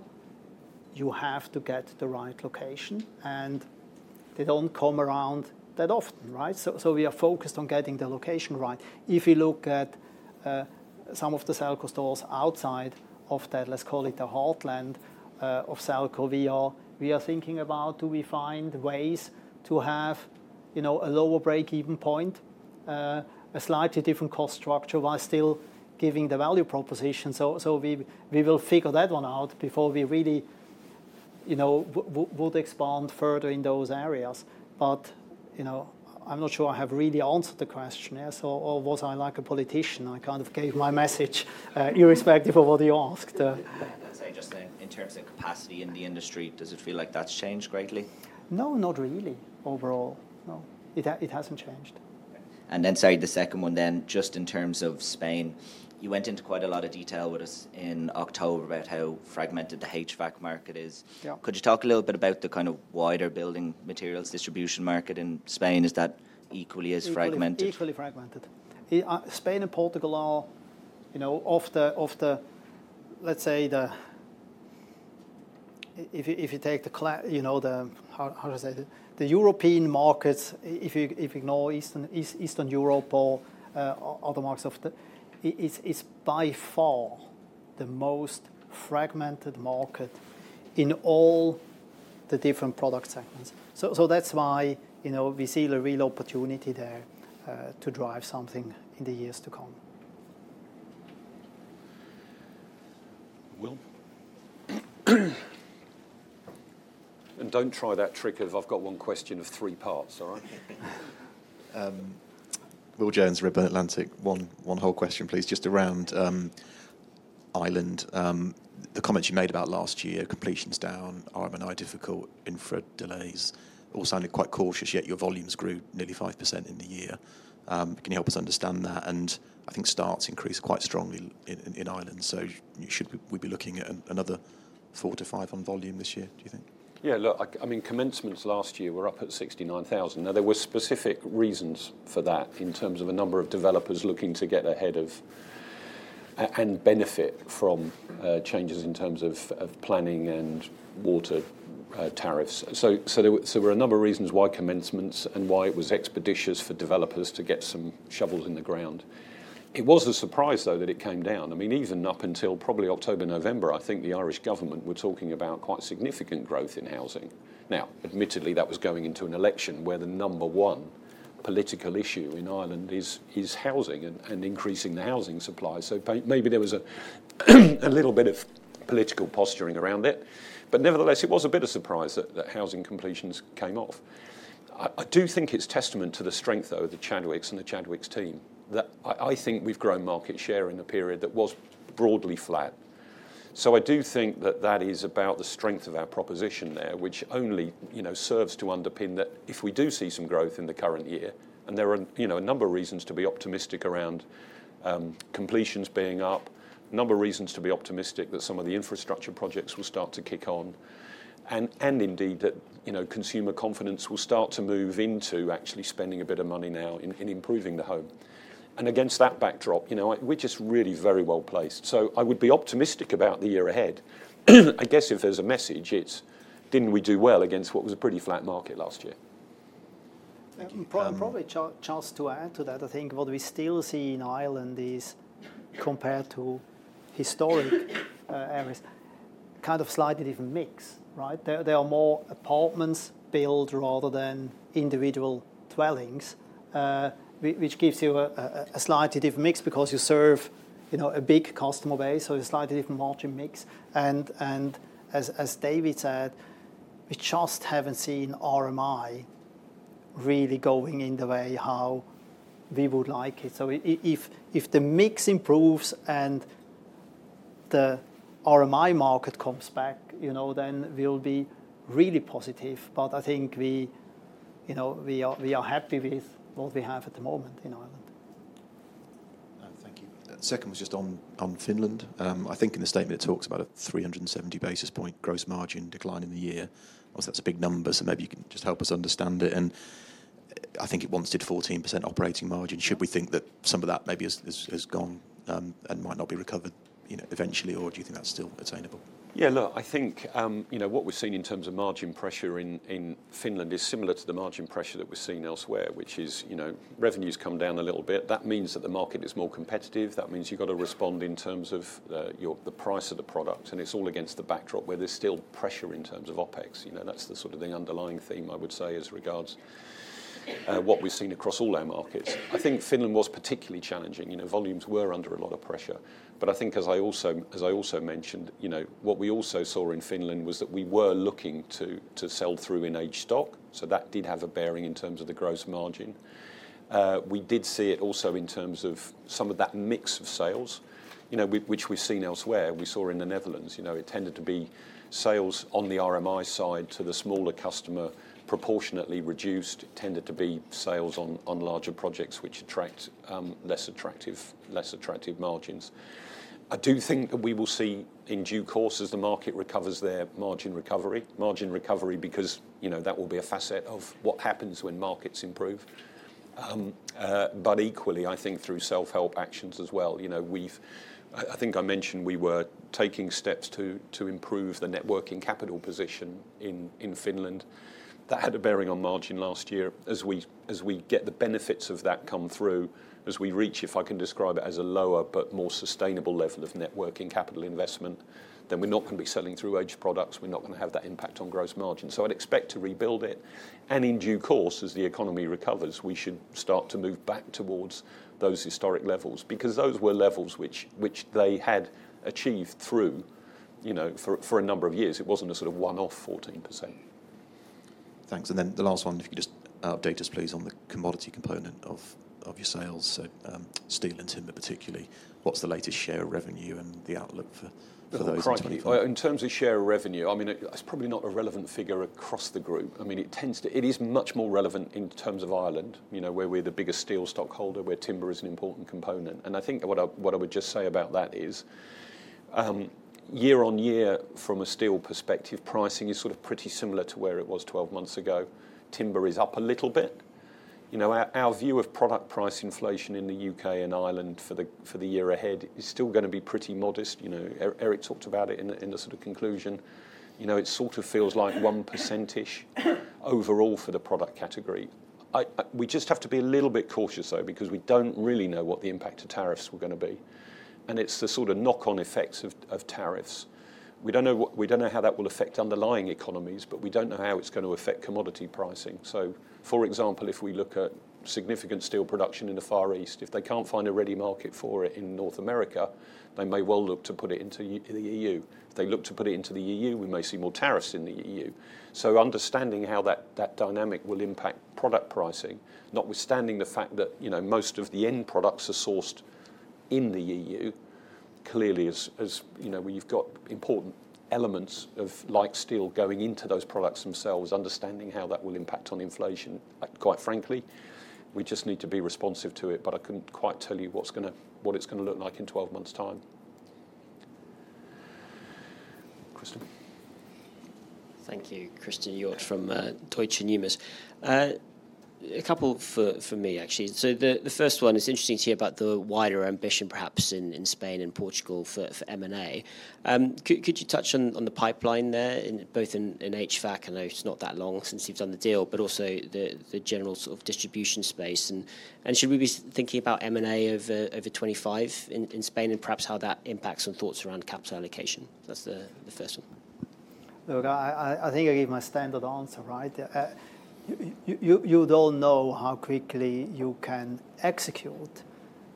you have to get the right location, and they don't come around that often, right? So, we are focused on getting the location right. If you look at some of the Selco stores outside of that, let's call it the heartland of Selco, we are thinking about, do we find ways to have, you know, a lower break-even point, a slightly different cost structure while still giving the value proposition? So, we will figure that one out before we really, you know, would expand further in those areas. But, you know, I'm not sure I have really answered the question here, or was I like a politician? I kind of gave my message irrespective of what you asked. I'd say just in terms of capacity in the industry, does it feel like that's changed greatly? No, not really overall. No, it hasn't changed. And then say the second one then, just in terms of Spain, you went into quite a lot of detail with us in October about how fragmented the HVAC market is. Could you talk a little bit about the kind of wider building materials distribution market in Spain? Is that equally as fragmented? Equally fragmented. Spain and Portugal are, you know, off the, let's say, the, if you take the, you know, the, how do I say, the European markets, if you ignore Eastern Europe or other markets, it's by far the most fragmented market in all the different product segments. So, that's why, you know, we see a real opportunity there to drive something in the years to come. Will? And don't try that trick of, I've got one question of three parts, all right? Will Jones, Redburn Atlantic. One whole question, please, just around Ireland. The comments you made about last year, completions down, RMI difficult, infra delays. All sounded quite cautious, yet your volumes grew nearly 5% in the year. Can you help us understand that? And I think starts increased quite strongly in Ireland. So, we'd be looking at another four to five on volume this year, do you think? Yeah, look, I mean, commencements last year were up at 69,000. Now, there were specific reasons for that in terms of a number of developers looking to get ahead of and benefit from changes in terms of planning and water tariffs. So, there were a number of reasons why commencements and why it was expeditious for developers to get some shovels in the ground. It was a surprise, though, that it came down. I mean, even up until probably October, November, I think the Irish government were talking about quite significant growth in housing. Now, admittedly, that was going into an election where the number one political issue in Ireland is housing and increasing the housing supply. So, maybe there was a little bit of political posturing around it. But nevertheless, it was a bit of surprise that housing completions came off. I do think it's testament to the strength, though, of the Chadwicks and the Chadwicks team that I think we've grown market share in a period that was broadly flat. So, I do think that that is about the strength of our proposition there, which only, you know, serves to underpin that if we do see some growth in the current year, and there are, you know, a number of reasons to be optimistic around completions being up, a number of reasons to be optimistic that some of the infrastructure projects will start to kick on. And indeed that, you know, consumer confidence will start to move into actually spending a bit of money now in improving the home. And against that backdrop, you know, we're just really very well placed. So, I would be optimistic about the year ahead. I guess if there's a message, it's, didn't we do well against what was a pretty flat market last year? Probably a chance to add to that. I think what we still see in Ireland is, compared to historic areas, kind of slightly different mix, right? There are more apartments built rather than individual dwellings, which gives you a slightly different mix because you serve, you know, a big customer base, so a slightly different margin mix. And as David said, we just haven't seen RMI really going in the way how we would like it. So, if the mix improves and the RMI market comes back, you know, then we'll be really positive. But I think we, you know, we are happy with what we have at the moment in Ireland. Thank you. Second was just on Finland. I think in the statement it talks about a 370 basis points gross margin decline in the year. Obviously, that's a big number, so maybe you can just help us understand it. I think it once did 14% operating margin. Should we think that some of that maybe has gone and might not be recovered, you know, eventually, or do you think that's still attainable? Yeah, look, I think, you know, what we've seen in terms of margin pressure in Finland is similar to the margin pressure that we've seen elsewhere, which is, you know, revenues come down a little bit. That means that the market is more competitive. That means you've got to respond in terms of the price of the product, and it's all against the backdrop where there's still pressure in terms of OpEx. You know, that's the sort of the underlying theme, I would say, as regards what we've seen across all our markets. I think Finland was particularly challenging. You know, volumes were under a lot of pressure. But I think, as I also mentioned, you know, what we also saw in Finland was that we were looking to sell through aged stock. So, that did have a bearing in terms of the gross margin. We did see it also in terms of some of that mix of sales, you know, which we've seen elsewhere. We saw in the Netherlands, you know, it tended to be sales on the RMI side to the smaller customer proportionately reduced. It tended to be sales on larger projects, which attract less attractive margins. I do think that we will see in due course as the market recovers the margin recovery. Margin recovery because, you know, that will be a facet of what happens when markets improve. But equally, I think through self-help actions as well. You know, I think I mentioned we were taking steps to improve the net working capital position in Finland. That had a bearing on margin last year. As we get the benefits of that come through, as we reach, if I can describe it as a lower but more sustainable level of net working capital investment, then we're not going to be selling through aged products. We're not going to have that impact on gross margin. So, I'd expect to rebuild it. And in due course, as the economy recovers, we should start to move back towards those historic levels because those were levels which they had achieved through, you know, for a number of years. It wasn't a sort of one-off 14%. Thanks. And then the last one, if you could just update us, please, on the commodity component of your sales. So, steel and timber particularly. What's the latest share of revenue and the outlook for those? In terms of share of revenue, I mean, it's probably not a relevant figure across the group. I mean, it is much more relevant in terms of Ireland, you know, where we're the biggest steel stockholder, where timber is an important component. And I think what I would just say about that is, year on year, from a steel perspective, pricing is sort of pretty similar to where it was 12 months ago. Timber is up a little bit. You know, our view of product price inflation in the U.K. and Ireland for the year ahead is still going to be pretty modest. You know, Eric talked about it in the sort of conclusion. You know, it sort of feels like 1%-ish overall for the product category. We just have to be a little bit cautious, though, because we don't really know what the impact of tariffs were going to be. And it's the sort of knock-on effects of tariffs. We don't know how that will affect underlying economies, but we don't know how it's going to affect commodity pricing. So, for example, if we look at significant steel production in the Far East, if they can't find a ready market for it in North America, they may well look to put it into the EU. If they look to put it into the EU, we may see more tariffs in the EU. Understanding how that dynamic will impact product pricing, notwithstanding the fact that, you know, most of the end products are sourced in the EU, clearly, as, you know, where you've got important elements of like steel going into those products themselves, understanding how that will impact on inflation, quite frankly, we just need to be responsive to it. But I couldn't quite tell you what it's going to look like in 12 months' time. Christian? Thank you, Christian Hjorth from Deutsche Numis. A couple for me, actually. The first one is interesting to hear about the wider ambition, perhaps, in Spain and Portugal for M&A. Could you touch on the pipeline there, both in HVAC. I know it's not that long since you've done the deal, but also the general sort of distribution space? Should we be thinking about M&A over 2025 in Spain and perhaps how that impacts on thoughts around capital allocation? That's the first one. Look, I think I gave my standard answer, right? You don't know how quickly you can execute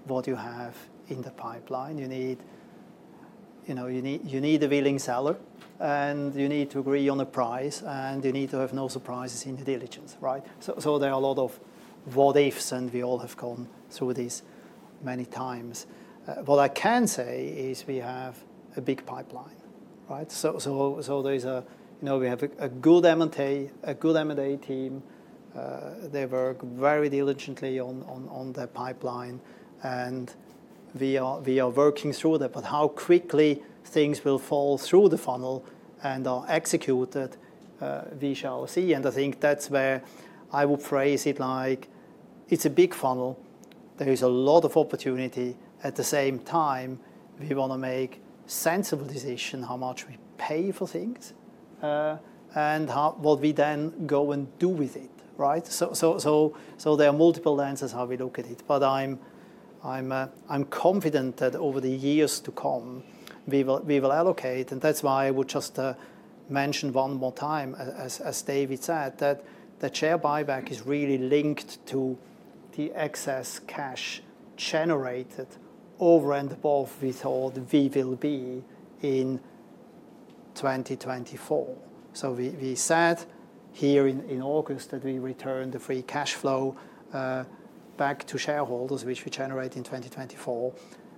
what you have in the pipeline. You need, you know, you need a willing seller, and you need to agree on a price, and you need to have no surprises in the diligence, right? So, there are a lot of what-ifs, and we all have gone through this many times. What I can say is we have a big pipeline, right? So, there's a, you know, we have a good M&A team. They work very diligently on the pipeline, and we are working through that. But how quickly things will fall through the funnel and are executed, we shall see. I think that's where I would phrase it like, it's a big funnel. There is a lot of opportunity. At the same time, we want to make sensible decisions on how much we pay for things and what we then go and do with it, right? So, there are multiple lenses how we look at it. I'm confident that over the years to come, we will allocate. That's why I would just mention one more time, as David said, that the share buyback is really linked to the excess cash generated over and above with all the [VWB] in 2024. So, we said here in August that we return the free cash flow back to shareholders, which we generate in 2024.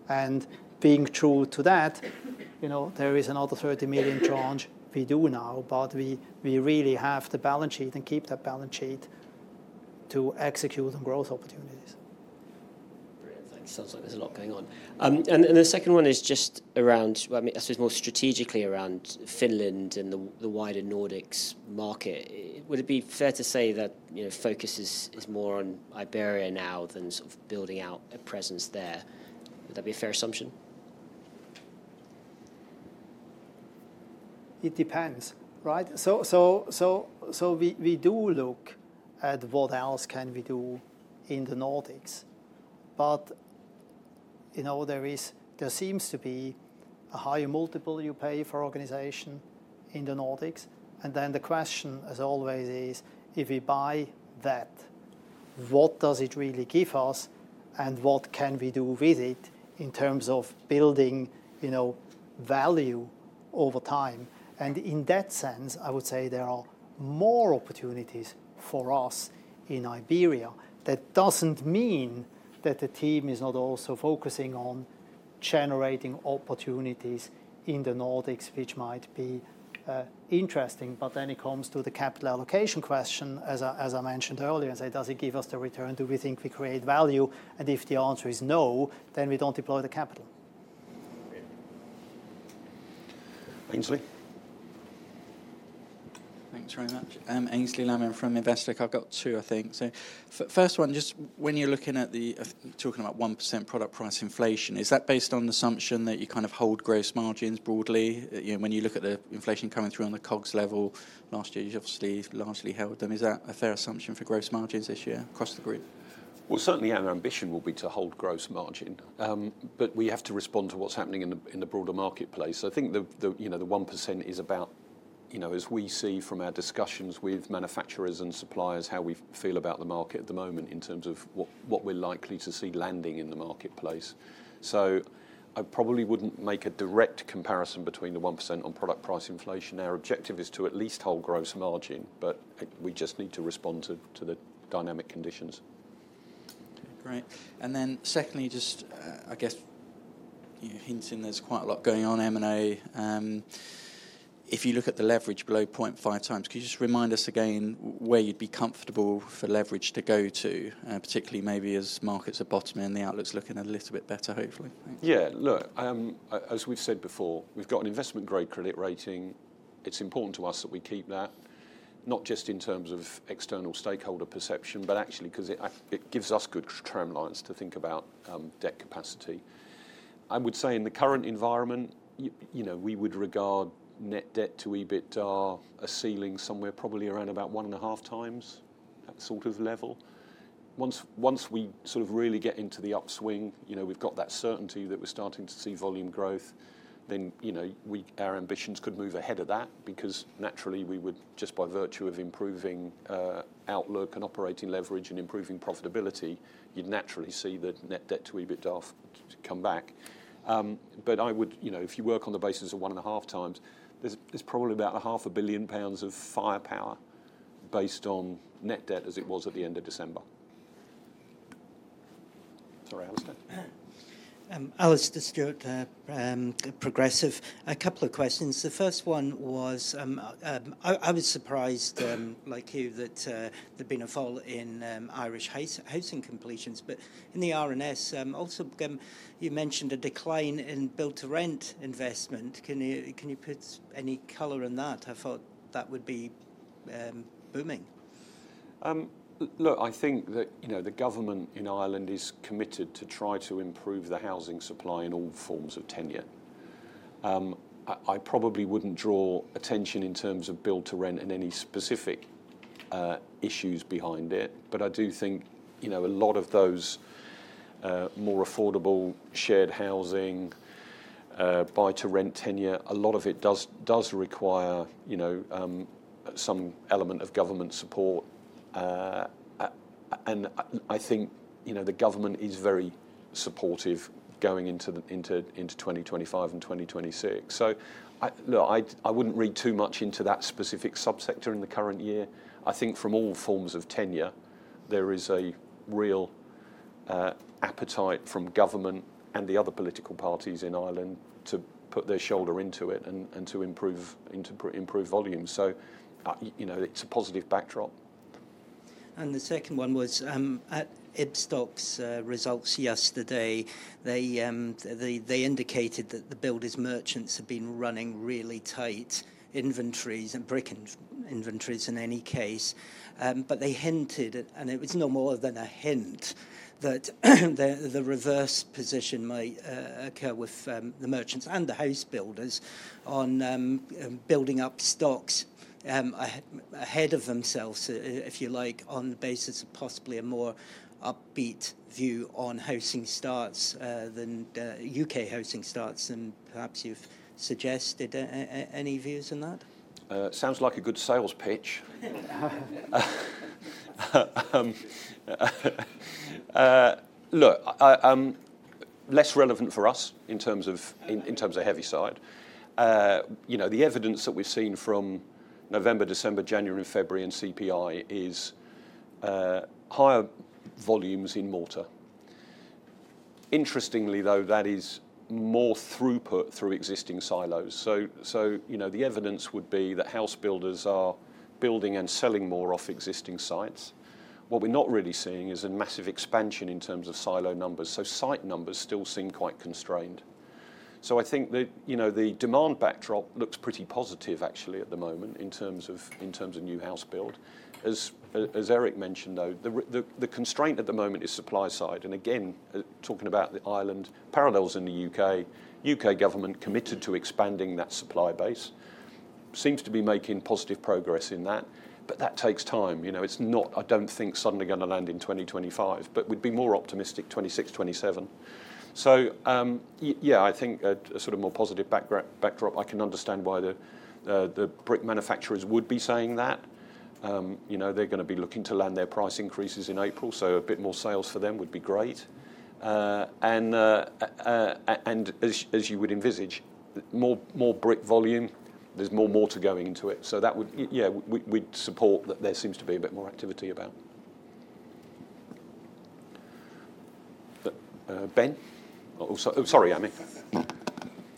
And being true to that, you know, there is another 30 million tranche we do now, but we really have the balance sheet and keep that balance sheet to execute on growth opportunities. Brilliant. Thanks. Sounds like there's a lot going on. And the second one is just around, I mean, I suppose more strategically around Finland and the wider Nordics market. Would it be fair to say that, you know, focus is more on Iberia now than sort of building out a presence there? Would that be a fair assumption? It depends, right? So, we do look at what else can we do in the Nordics. But, you know, there seems to be a higher multiple you pay for organization in the Nordics. And then the question, as always, is if we buy that, what does it really give us and what can we do with it in terms of building, you know, value over time? And in that sense, I would say there are more opportunities for us in Iberia. That doesn't mean that the team is not also focusing on generating opportunities in the Nordics, which might be interesting. But then it comes to the capital allocation question, as I mentioned earlier. And say, does it give us the return? Do we think we create value? And if the answer is no, then we don't deploy the capital. Aynsley? Thanks very much. Aynsley Lammin from Investec. I've got two, I think. So, first one, just when you're talking about 1% product price inflation, is that based on the assumption that you kind of hold gross margins broadly? You know, when you look at the inflation coming through on the COGS level last year, you've obviously largely held them. Is that a fair assumption for gross margins this year across the group? Well, certainly our ambition will be to hold gross margin. But we have to respond to what's happening in the broader marketplace. I think the 1% is about, you know, as we see from our discussions with manufacturers and suppliers, how we feel about the market at the moment in terms of what we're likely to see landing in the marketplace. So, I probably wouldn't make a direct comparison between the 1% on product price inflation. Our objective is to at least hold gross margin, but we just need to respond to the dynamic conditions. Okay, great. And then secondly, just I guess, you know, hinting there's quite a lot going on M&A. If you look at the leverage below 0.5x, could you just remind us again where you'd be comfortable for leverage to go to, particularly maybe as markets are bottoming and the outlook's looking a little bit better, hopefully? Yeah, look, as we've said before, we've got an investment-grade credit rating. It's important to us that we keep that, not just in terms of external stakeholder perception, but actually because it gives us good tramlines to think about debt capacity. I would say in the current environment, you know, we would regard net debt to EBITDA a ceiling somewhere probably around about 1.5x, that sort of level. Once we sort of really get into the upswing, you know, we've got that certainty that we're starting to see volume growth, then, you know, our ambitions could move ahead of that because naturally we would, just by virtue of improving outlook and operating leverage and improving profitability, you'd naturally see the Net Debt to EBITDA come back. But I would, you know, if you work on the basis of 1.5x, there's probably about 500 million pounds of firepower based on net debt as it was at the end of December. Sorry, Alastair. Alastair Stewart, Progressive. A couple of questions. The first one was, I was surprised, like you, that there'd been a fall in Irish housing completions, but in the RMI also, you mentioned a decline in build-to-rent investment. Can you put any color on that? I thought that would be booming. Look, I think that, you know, the government in Ireland is committed to try to improve the housing supply in all forms of tenure. I probably wouldn't draw attention in terms of build-to-rent and any specific issues behind it. But I do think, you know, a lot of those more affordable shared housing, buy-to-rent tenure, a lot of it does require, you know, some element of government support. And I think, you know, the government is very supportive going into 2025 and 2026. So, look, I wouldn't read too much into that specific subsector in the current year. I think from all forms of tenure, there is a real appetite from government and the other political parties in Ireland to put their shoulder into it and to improve volume. So, you know, it's a positive backdrop. And the second one was Ibstock's results yesterday. They indicated that the builders' merchants have been running really tight inventories and brick inventories in any case. But they hinted, and it was no more than a hint, that the reverse position might occur with the merchants and the house builders on building up stocks ahead of themselves, if you like, on the basis of possibly a more upbeat view on housing starts than U.K. housing starts, and perhaps you've suggested any views on that? Sounds like a good sales pitch. Look, less relevant for us in terms of a heavy side. You know, the evidence that we've seen from November, December, January, and February in CPI is higher volumes in mortar. Interestingly, though, that is more throughput through existing silos. So, you know, the evidence would be that house builders are building and selling more off existing sites. What we're not really seeing is a massive expansion in terms of site numbers. So, site numbers still seem quite constrained. So, I think that, you know, the demand backdrop looks pretty positive, actually, at the moment in terms of new house build. As Eric mentioned, though, the constraint at the moment is supply side. And again, talking about the Ireland parallels in the U.K., U.K. government committed to expanding that supply base. Seems to be making positive progress in that. But that takes time. You know, it's not, I don't think, suddenly going to land in 2025, but we'd be more optimistic 2026, 2027. So, yeah, I think a sort of more positive backdrop. I can understand why the brick manufacturers would be saying that. You know, they're going to be looking to land their price increases in April, so a bit more sales for them would be great. As you would envisage, more brick volume, there's more mortar going into it. So, that would, yeah, we'd support that there seems to be a bit more activity about. Ben? Sorry, Ami.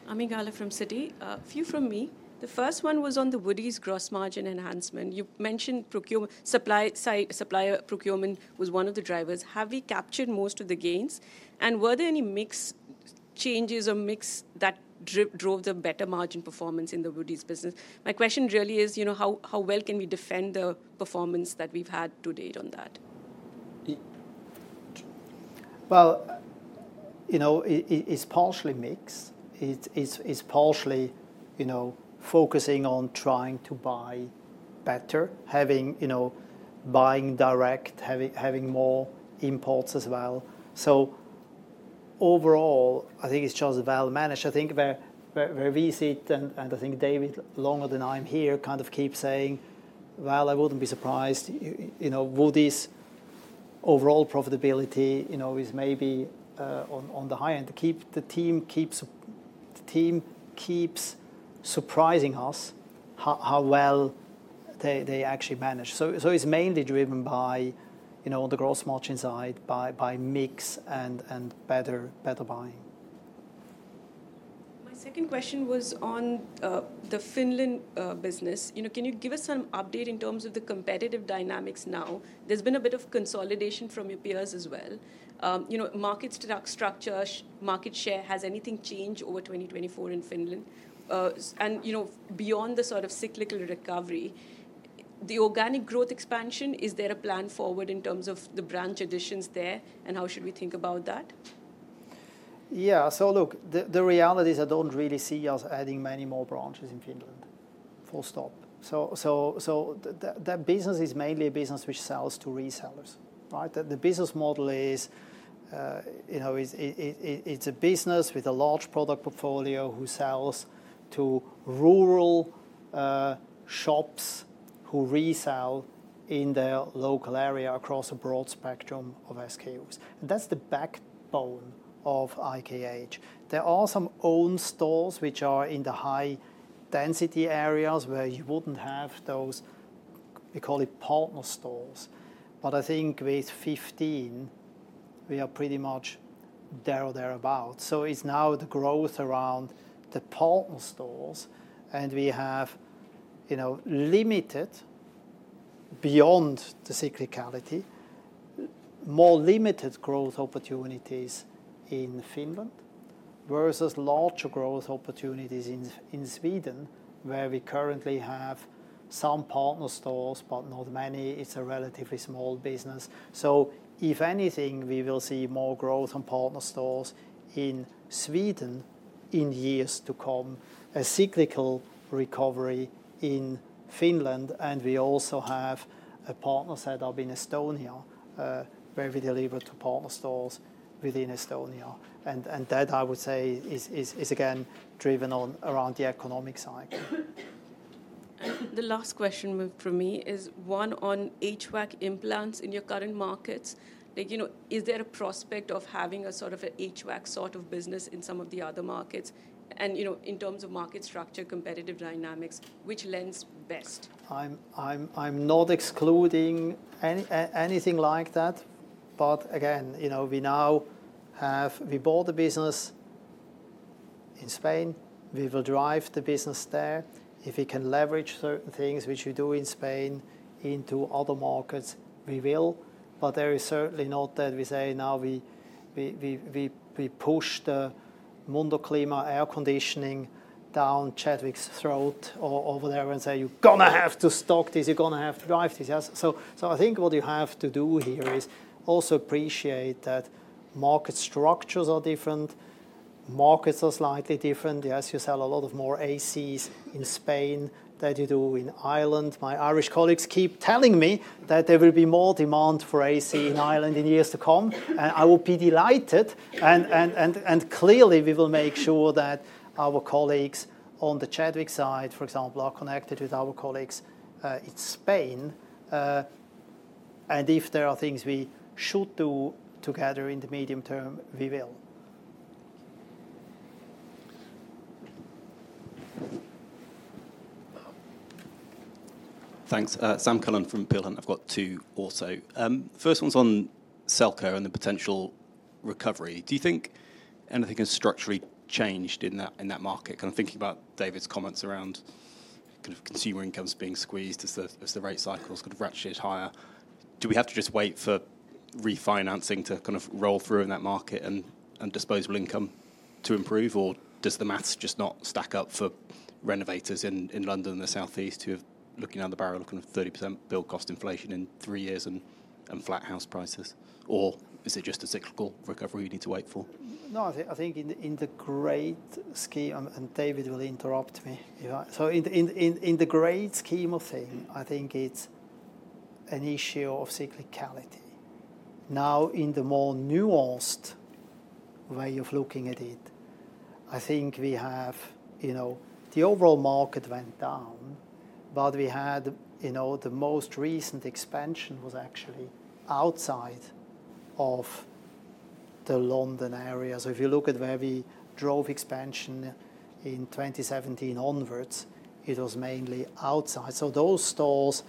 Ami Galla from Citi. A few from me. The first one was on the Woodie's gross margin enhancement. You mentioned supply-side supplier procurement was one of the drivers. Have we captured most of the gains? And were there any mix changes or mix that drove the better margin performance in the Woodie's business? My question really is, you know, how well can we defend the performance that we've had to date on that? Well, you know, it's partially mixed. It's partially, you know, focusing on trying to buy better, having, you know, buying direct, having more imports as well. So, overall, I think it's just well managed. I think where we sit, and I think David, longer than I'm here, kind of keeps saying, well, I wouldn't be surprised. You know, Woodie's overall profitability, you know, is maybe on the high end. The team keeps surprising us how well they actually manage. So, it's mainly driven by, you know, on the gross margin side, by mix and better buying. My second question was on the Finland business. You know, can you give us an update in terms of the competitive dynamics now? There's been a bit of consolidation from your peers as well. You know, market structure, market share, has anything changed over 2024 in Finland? And, you know, beyond the sort of cyclical recovery, the organic growth expansion, is there a plan forward in terms of the branch additions there? And how should we think about that? Yeah, so look, the reality is I don't really see us adding many more branches in Finland. Full stop. So, that business is mainly a business which sells to resellers, right? The business model is, you know, it's a business with a large product portfolio who sells to rural shops who resell in their local area across a broad spectrum of SKUs. And that's the backbone of IKH. There are some own stores which are in the high-density areas where you wouldn't have those, we call it partner stores. But I think with 2015, we are pretty much there or thereabout. So, it's now the growth around the partner stores. And we have, you know, limited, beyond the cyclicality, more limited growth opportunities in Finland versus larger growth opportunities in Sweden, where we currently have some partner stores, but not many. It's a relatively small business. If anything, we will see more growth on partner stores in Sweden in years to come, a cyclical recovery in Finland. We also have partners that are in Estonia, where we deliver to partner stores within Estonia. That, I would say, is again driven around the economic cycle. The last question from me is one on HVAC implants in your current markets. You know, is there a prospect of having a sort of an HVAC sort of business in some of the other markets? And, you know, in terms of market structure, competitive dynamics, which lends best? I'm not excluding anything like that. Again, you know, we now have, we bought the business in Spain. We will drive the business there. If we can leverage certain things which we do in Spain into other markets, we will. But there is certainly not that we say now we push the Mundoclima air conditioning down Chadwicks' throat or over there and say, you're going to have to stock this, you're going to have to drive this. So, I think what you have to do here is also appreciate that market structures are different. Markets are slightly different. Yes, you sell a lot of more ACs in Spain than you do in Ireland. My Irish colleagues keep telling me that there will be more demand for AC in Ireland in years to come. And I will be delighted. And clearly, we will make sure that our colleagues on the Chadwicks side, for example, are connected with our colleagues in Spain. And if there are things we should do together in the medium term, we will. Thanks. Sam Cullen from Peel Hunt. I've got two also. First one's on Selco and the potential recovery. Do you think anything has structurally changed in that market? Kind of thinking about David's comments around kind of consumer incomes being squeezed as the rate cycles kind of ratchet higher. Do we have to just wait for refinancing to kind of roll through in that market and disposable income to improve? Or does the maths just not stack up for renovators in London and the Southeast who are looking down the barrel looking at 30% build cost inflation in three years and flat house prices? Or is it just a cyclical recovery we need to wait for? No, I think in the great scheme, and David will interrupt me. So, in the great scheme of things, I think it's an issue of cyclicality. Now, in the more nuanced way of looking at it, I think we have, you know, the overall market went down, but we had, you know, the most recent expansion was actually outside of the London area, so if you look at where we drove expansion in 2017 onwards, it was mainly outside, so those stores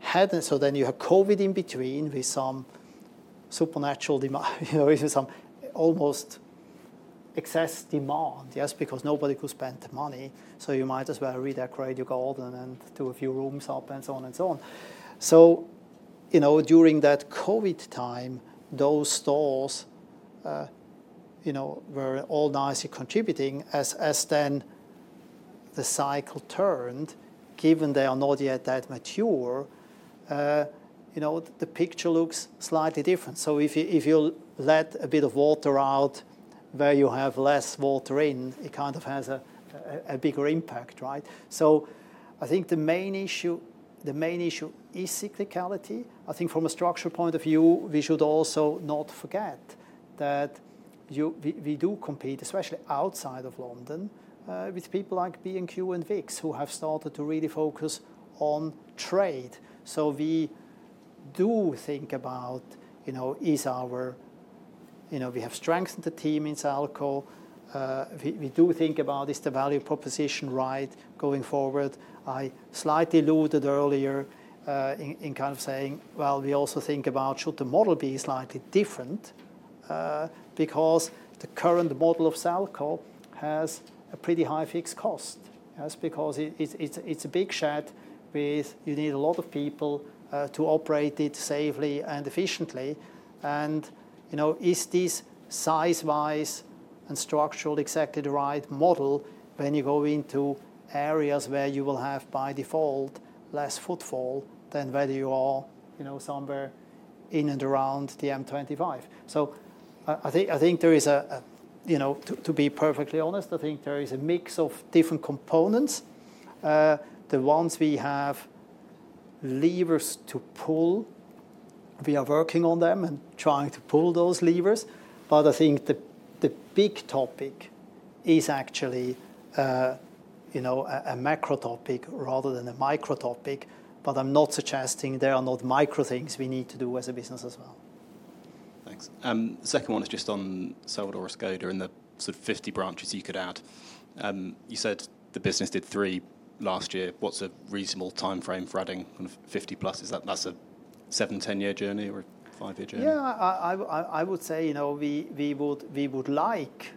hadn't, so then you had COVID in between with some supernormal demand, you know, with some almost excess demand, yes, because nobody could spend the money, so you might as well redecorate your garden and do a few rooms up and so on and so on, so you know, during that COVID time, those stores, you know, were all nicely contributing, as then the cycle turned, given they are not yet that mature, you know, the picture looks slightly different. So, if you let a bit of water out where you have less water in, it kind of has a bigger impact, right? So, I think the main issue, the main issue is cyclicality. I think from a structural point of view, we should also not forget that we do compete, especially outside of London, with people like B&Q and Wickes who have started to really focus on trade. So, we do think about, you know, is our, you know, we have strengthened the team in Selco. We do think about, is the value proposition right going forward? I slightly alluded earlier in kind of saying, well, we also think about, should the model be slightly different? Because the current model of Selco has a pretty high fixed cost, yes, because it's a big shed with, you need a lot of people to operate it safely and efficiently. You know, is this size-wise and structurally exactly the right model when you go into areas where you will have by default less footfall than whether you are, you know, somewhere in and around the M25? I think there is a, you know, to be perfectly honest, I think there is a mix of different components. The ones we have levers to pull, we are working on them and trying to pull those levers. I think the big topic is actually, you know, a macro topic rather than a micro topic. I'm not suggesting there are not micro things we need to do as a business as well. Thanks. The second one is just on Salvador Escoda and the sort of 50 branches you could add. You said the business did three last year. What's a reasonable timeframe for adding kind of 50+? Is that, that's a seven-10-year journey or a five-year journey? Yeah, I would say, you know, we would like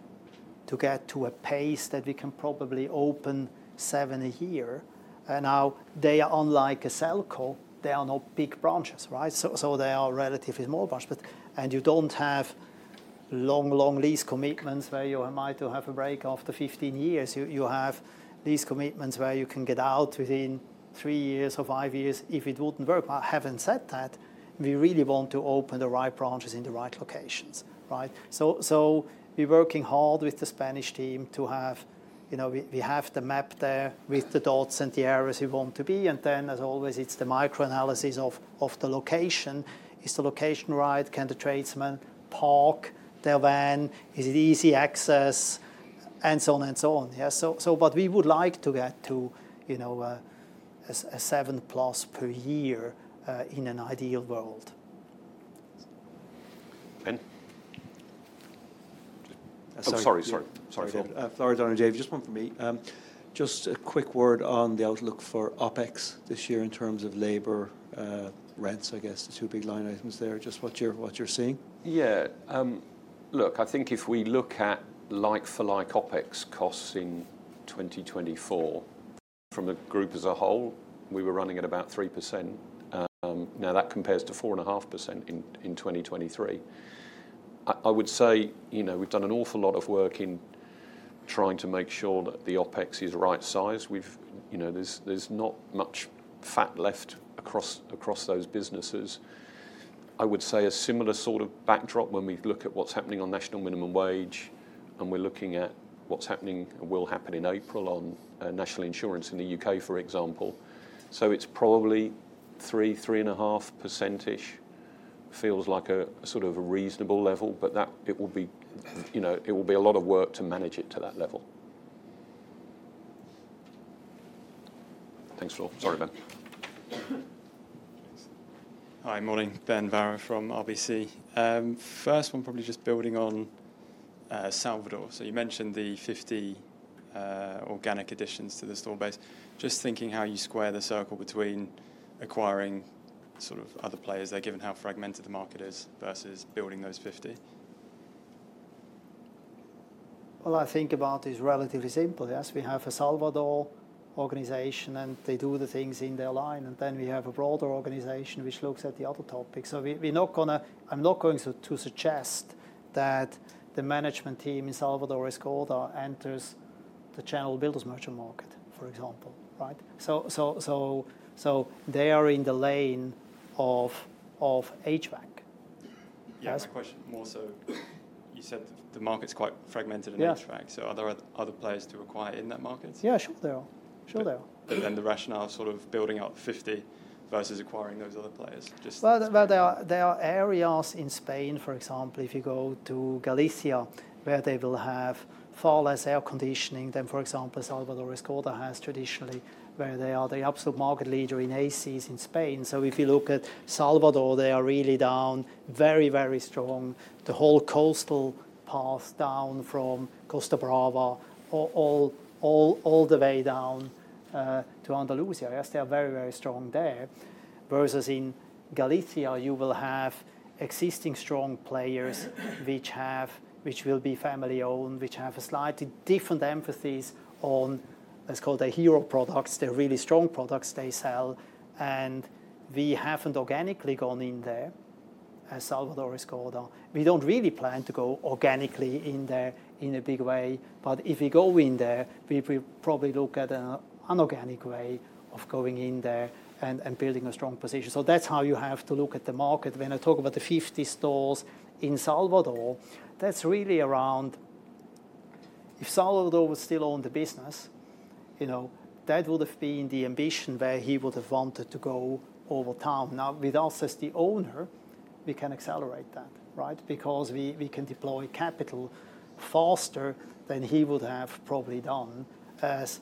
to get to a pace that we can probably open seven a year. And now they are unlike a Selco. They are not big branches, right? So, they are relatively small branches. And you don't have long, long lease commitments where you might have a break after 15 years. You have lease commitments where you can get out within three years or five years if it wouldn't work. But I haven't said that. We really want to open the right branches in the right locations, right? So, we're working hard with the Spanish team to have, you know, we have the map there with the dots and the areas we want to be. And then, as always, it's the micro analysis of the location. Is the location right? Can the tradesmen park their van? Is it easy access? And so on and so on, yes? So, but we would like to get to, you know, a seven plus per year in an ideal world. Ben? I'm sorry, sorry. Sorry, Phil. Sorry, just one from me. Just a quick word on the outlook for OpEx this year in terms of labor rents, I guess. The two big line items there. Just what you're seeing? Yeah. Look, I think if we look at like-for-like OpEx costs in 2024, from the group as a whole, we were running at about 3%. Now, that compares to 4.5% in 2023. I would say, you know, we've done an awful lot of work in trying to make sure that the OpEx is right size. We've, you know, there's not much fat left across those businesses. I would say a similar sort of backdrop when we look at what's happening on national minimum wage, and we're looking at what's happening and will happen in April on national insurance in the U.K., for example. So, it's probably 3%, 3.5%-ish feels like a sort of a reasonable level, but that it would be, you know, it will be a lot of work to manage it to that level. Thanks, Phil. Sorry, Ben. Hi, morning. Ben Varrow from RBC. First one, probably just building on Salvador. So, you mentioned the 50 organic additions to the store base. Just thinking how you square the circle between acquiring sort of other players there, given how fragmented the market is versus building those 50. Well, I think about it is relatively simple, yes. We have a Salvador organization and they do the things in their line. And then we have a broader organization which looks at the other topics. So, we're not going to, I'm not going to suggest that the management team in Salvador Escoda enters the general builders' merchant market, for example, right? So, they are in the lane of HVAC. Yeah, that's a question more so. You said the market's quite fragmented in HVAC. So, are there other players to acquire in that market? Yeah, sure there are. Sure there are. But then the rationale of sort of building out 50 versus acquiring those other players. Just. Well, there are areas in Spain, for example, if you go to Galicia, where they will have far less air conditioning than, for example, Salvador Escoda has traditionally, where they are the absolute market leader in ACs in Spain. So, if you look at Salvador, they are really down very, very strong. The whole coastal path down from Costa Brava, all the way down to Andalusia. Yes, they are very, very strong there. Versus in Galicia, you will have existing strong players which have, which will be family-owned, which have slightly different emphases on, let's call them hero products. They're really strong products they sell, and we haven't organically gone in there as Salvador Escoda. We don't really plan to go organically in there in a big way, but if we go in there, we probably look at an unorganic way of going in there and building a strong position. So, that's how you have to look at the market. When I talk about the 50 stores in Salvador, that's really around, if Salvador was still owned the business, you know, that would have been the ambition where he would have wanted to go over time. Now, with us as the owner, we can accelerate that, right? Because we can deploy capital faster than he would have probably done as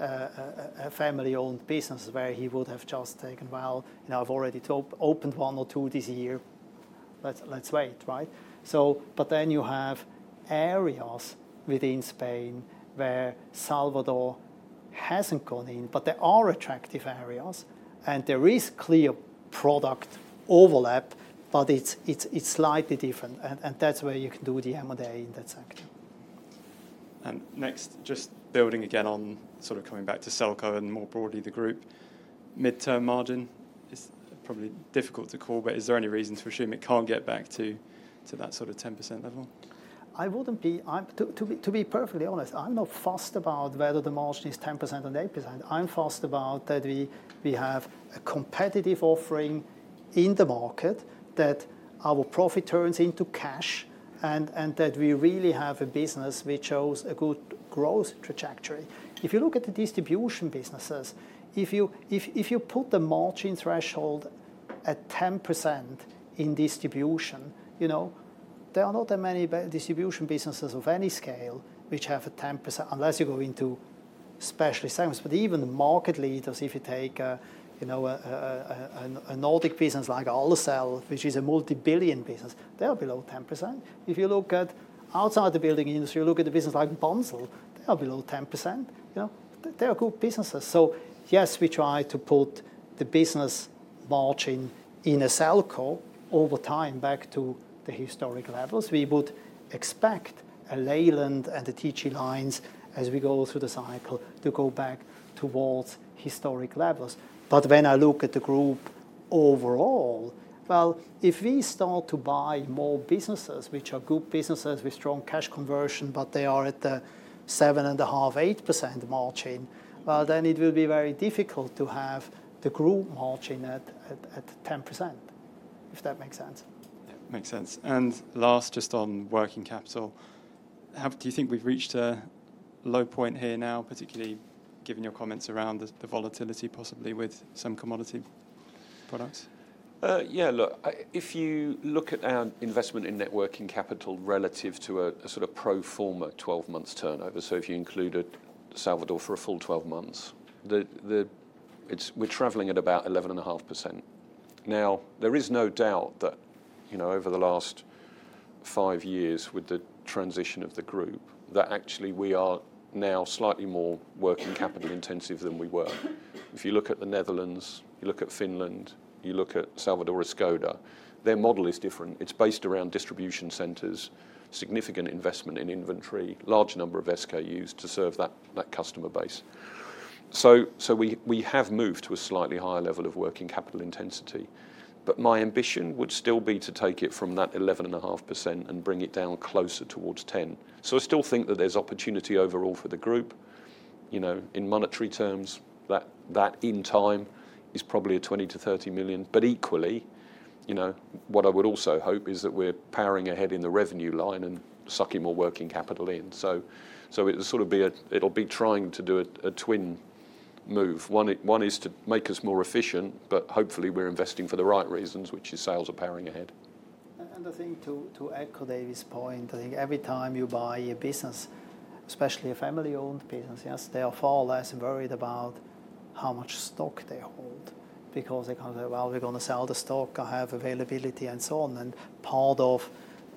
a family-owned business where he would have just taken, well, you know, I've already opened one or two this year. Let's wait, right? So, but then you have areas within Spain where Salvador hasn't gone in, but there are attractive areas. And there is clear product overlap, but it's slightly different. And that's where you can do the M&A in that sector. And next, just building again on sort of coming back to Selco and more broadly the group, mid-term margin is probably difficult to call, but is there any reason to assume it can't get back to that sort of 10% level? I wouldn't be, to be perfectly honest, I'm not fussed about whether the margin is 10% or 8%. I'm glad about that we have a competitive offering in the market that our profit turns into cash and that we really have a business which shows a good growth trajectory. If you look at the distribution businesses, if you put the margin threshold at 10% in distribution, you know, there are not that many distribution businesses of any scale which have a 10% unless you go into specialist segments. But even market leaders, if you take a, you know, a Nordic business like Ahlsell, which is a multi-billion business, they are below 10%. If you look outside the building industry, you look at the business like Bunzl, they are below 10%. You know, they are good businesses. So, yes, we try to put the business margin in a Selco over time back to the historic levels. We would expect Leyland and the Heiton lines as we go through the cycle to go back towards historic levels. But when I look at the group overall, well, if we start to buy more businesses which are good businesses with strong cash conversion, but they are at the 7.5%-8% margin, well, then it will be very difficult to have the group margin at 10%, if that makes sense. Makes sense. And last, just on working capital, do you think we've reached a low point here now, particularly given your comments around the volatility possibly with some commodity products? Yeah, look, if you look at our investment in working capital relative to a sort of pro forma 12-month turnover, so if you included Salvador for a full 12 months, we're traveling at about 11.5%. Now, there is no doubt that, you know, over the last five years with the transition of the group, that actually we are now slightly more working capital intensive than we were. If you look at the Netherlands, you look at Finland, you look at Salvador Escoda, their model is different. It's based around distribution centers, significant investment in inventory, large number of SKUs to serve that customer base. So, we have moved to a slightly higher level of working capital intensity. But my ambition would still be to take it from that 11.5% and bring it down closer towards 10%. So, I still think that there's opportunity overall for the group. You know, in monetary terms, that in time is probably 20 million-30 million. But equally, you know, what I would also hope is that we're powering ahead in the revenue line and sucking more working capital in. So, it'll be trying to do a twin move. One is to make us more efficient, but hopefully we're investing for the right reasons, which is sales are powering ahead. And I think to echo Dave's point, I think every time you buy a business, especially a family-owned business, yes, they are far less worried about how much stock they hold because they kind of say, well, we're going to sell the stock, I have availability and so on. And part of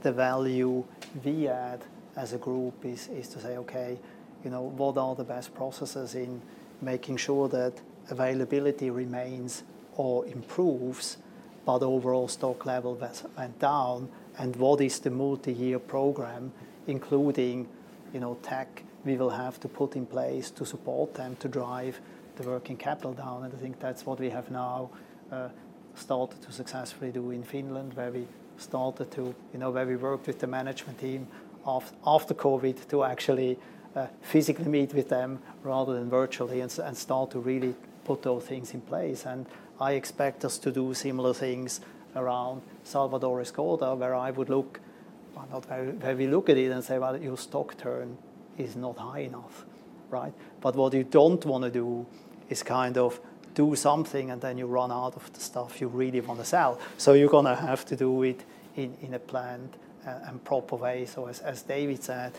the value we add as a group is to say, okay, you know, what are the best processes in making sure that availability remains or improves, but overall stock level went down? What is the multi-year program, including, you know, tech we will have to put in place to support them to drive the working capital down? I think that's what we have now started to successfully do in Finland, where we worked with the management team after COVID to actually physically meet with them rather than virtually and start to really put those things in place. I expect us to do similar things around Salvador Escoda, where I would look, well, we look at it and say, well, your stock turn is not high enough, right? But what you don't want to do is kind of do something and then you run out of the stuff you really want to sell. So, you're going to have to do it in a planned and proper way. As David said,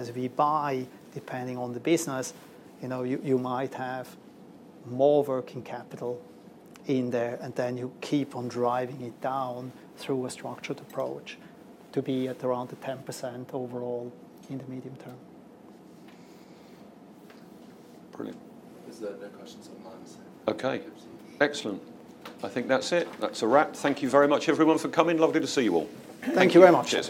as we buy depending on the business, you know, you might have more working capital in there and then you keep on driving it down through a structured approach to be at around the 10% overall in the medium term. Brilliant. Those are the questions on my side. Okay. Excellent. I think that's it. That's a wrap. Thank you very much, everyone, for coming. Lovely to see you all. Thank you very much.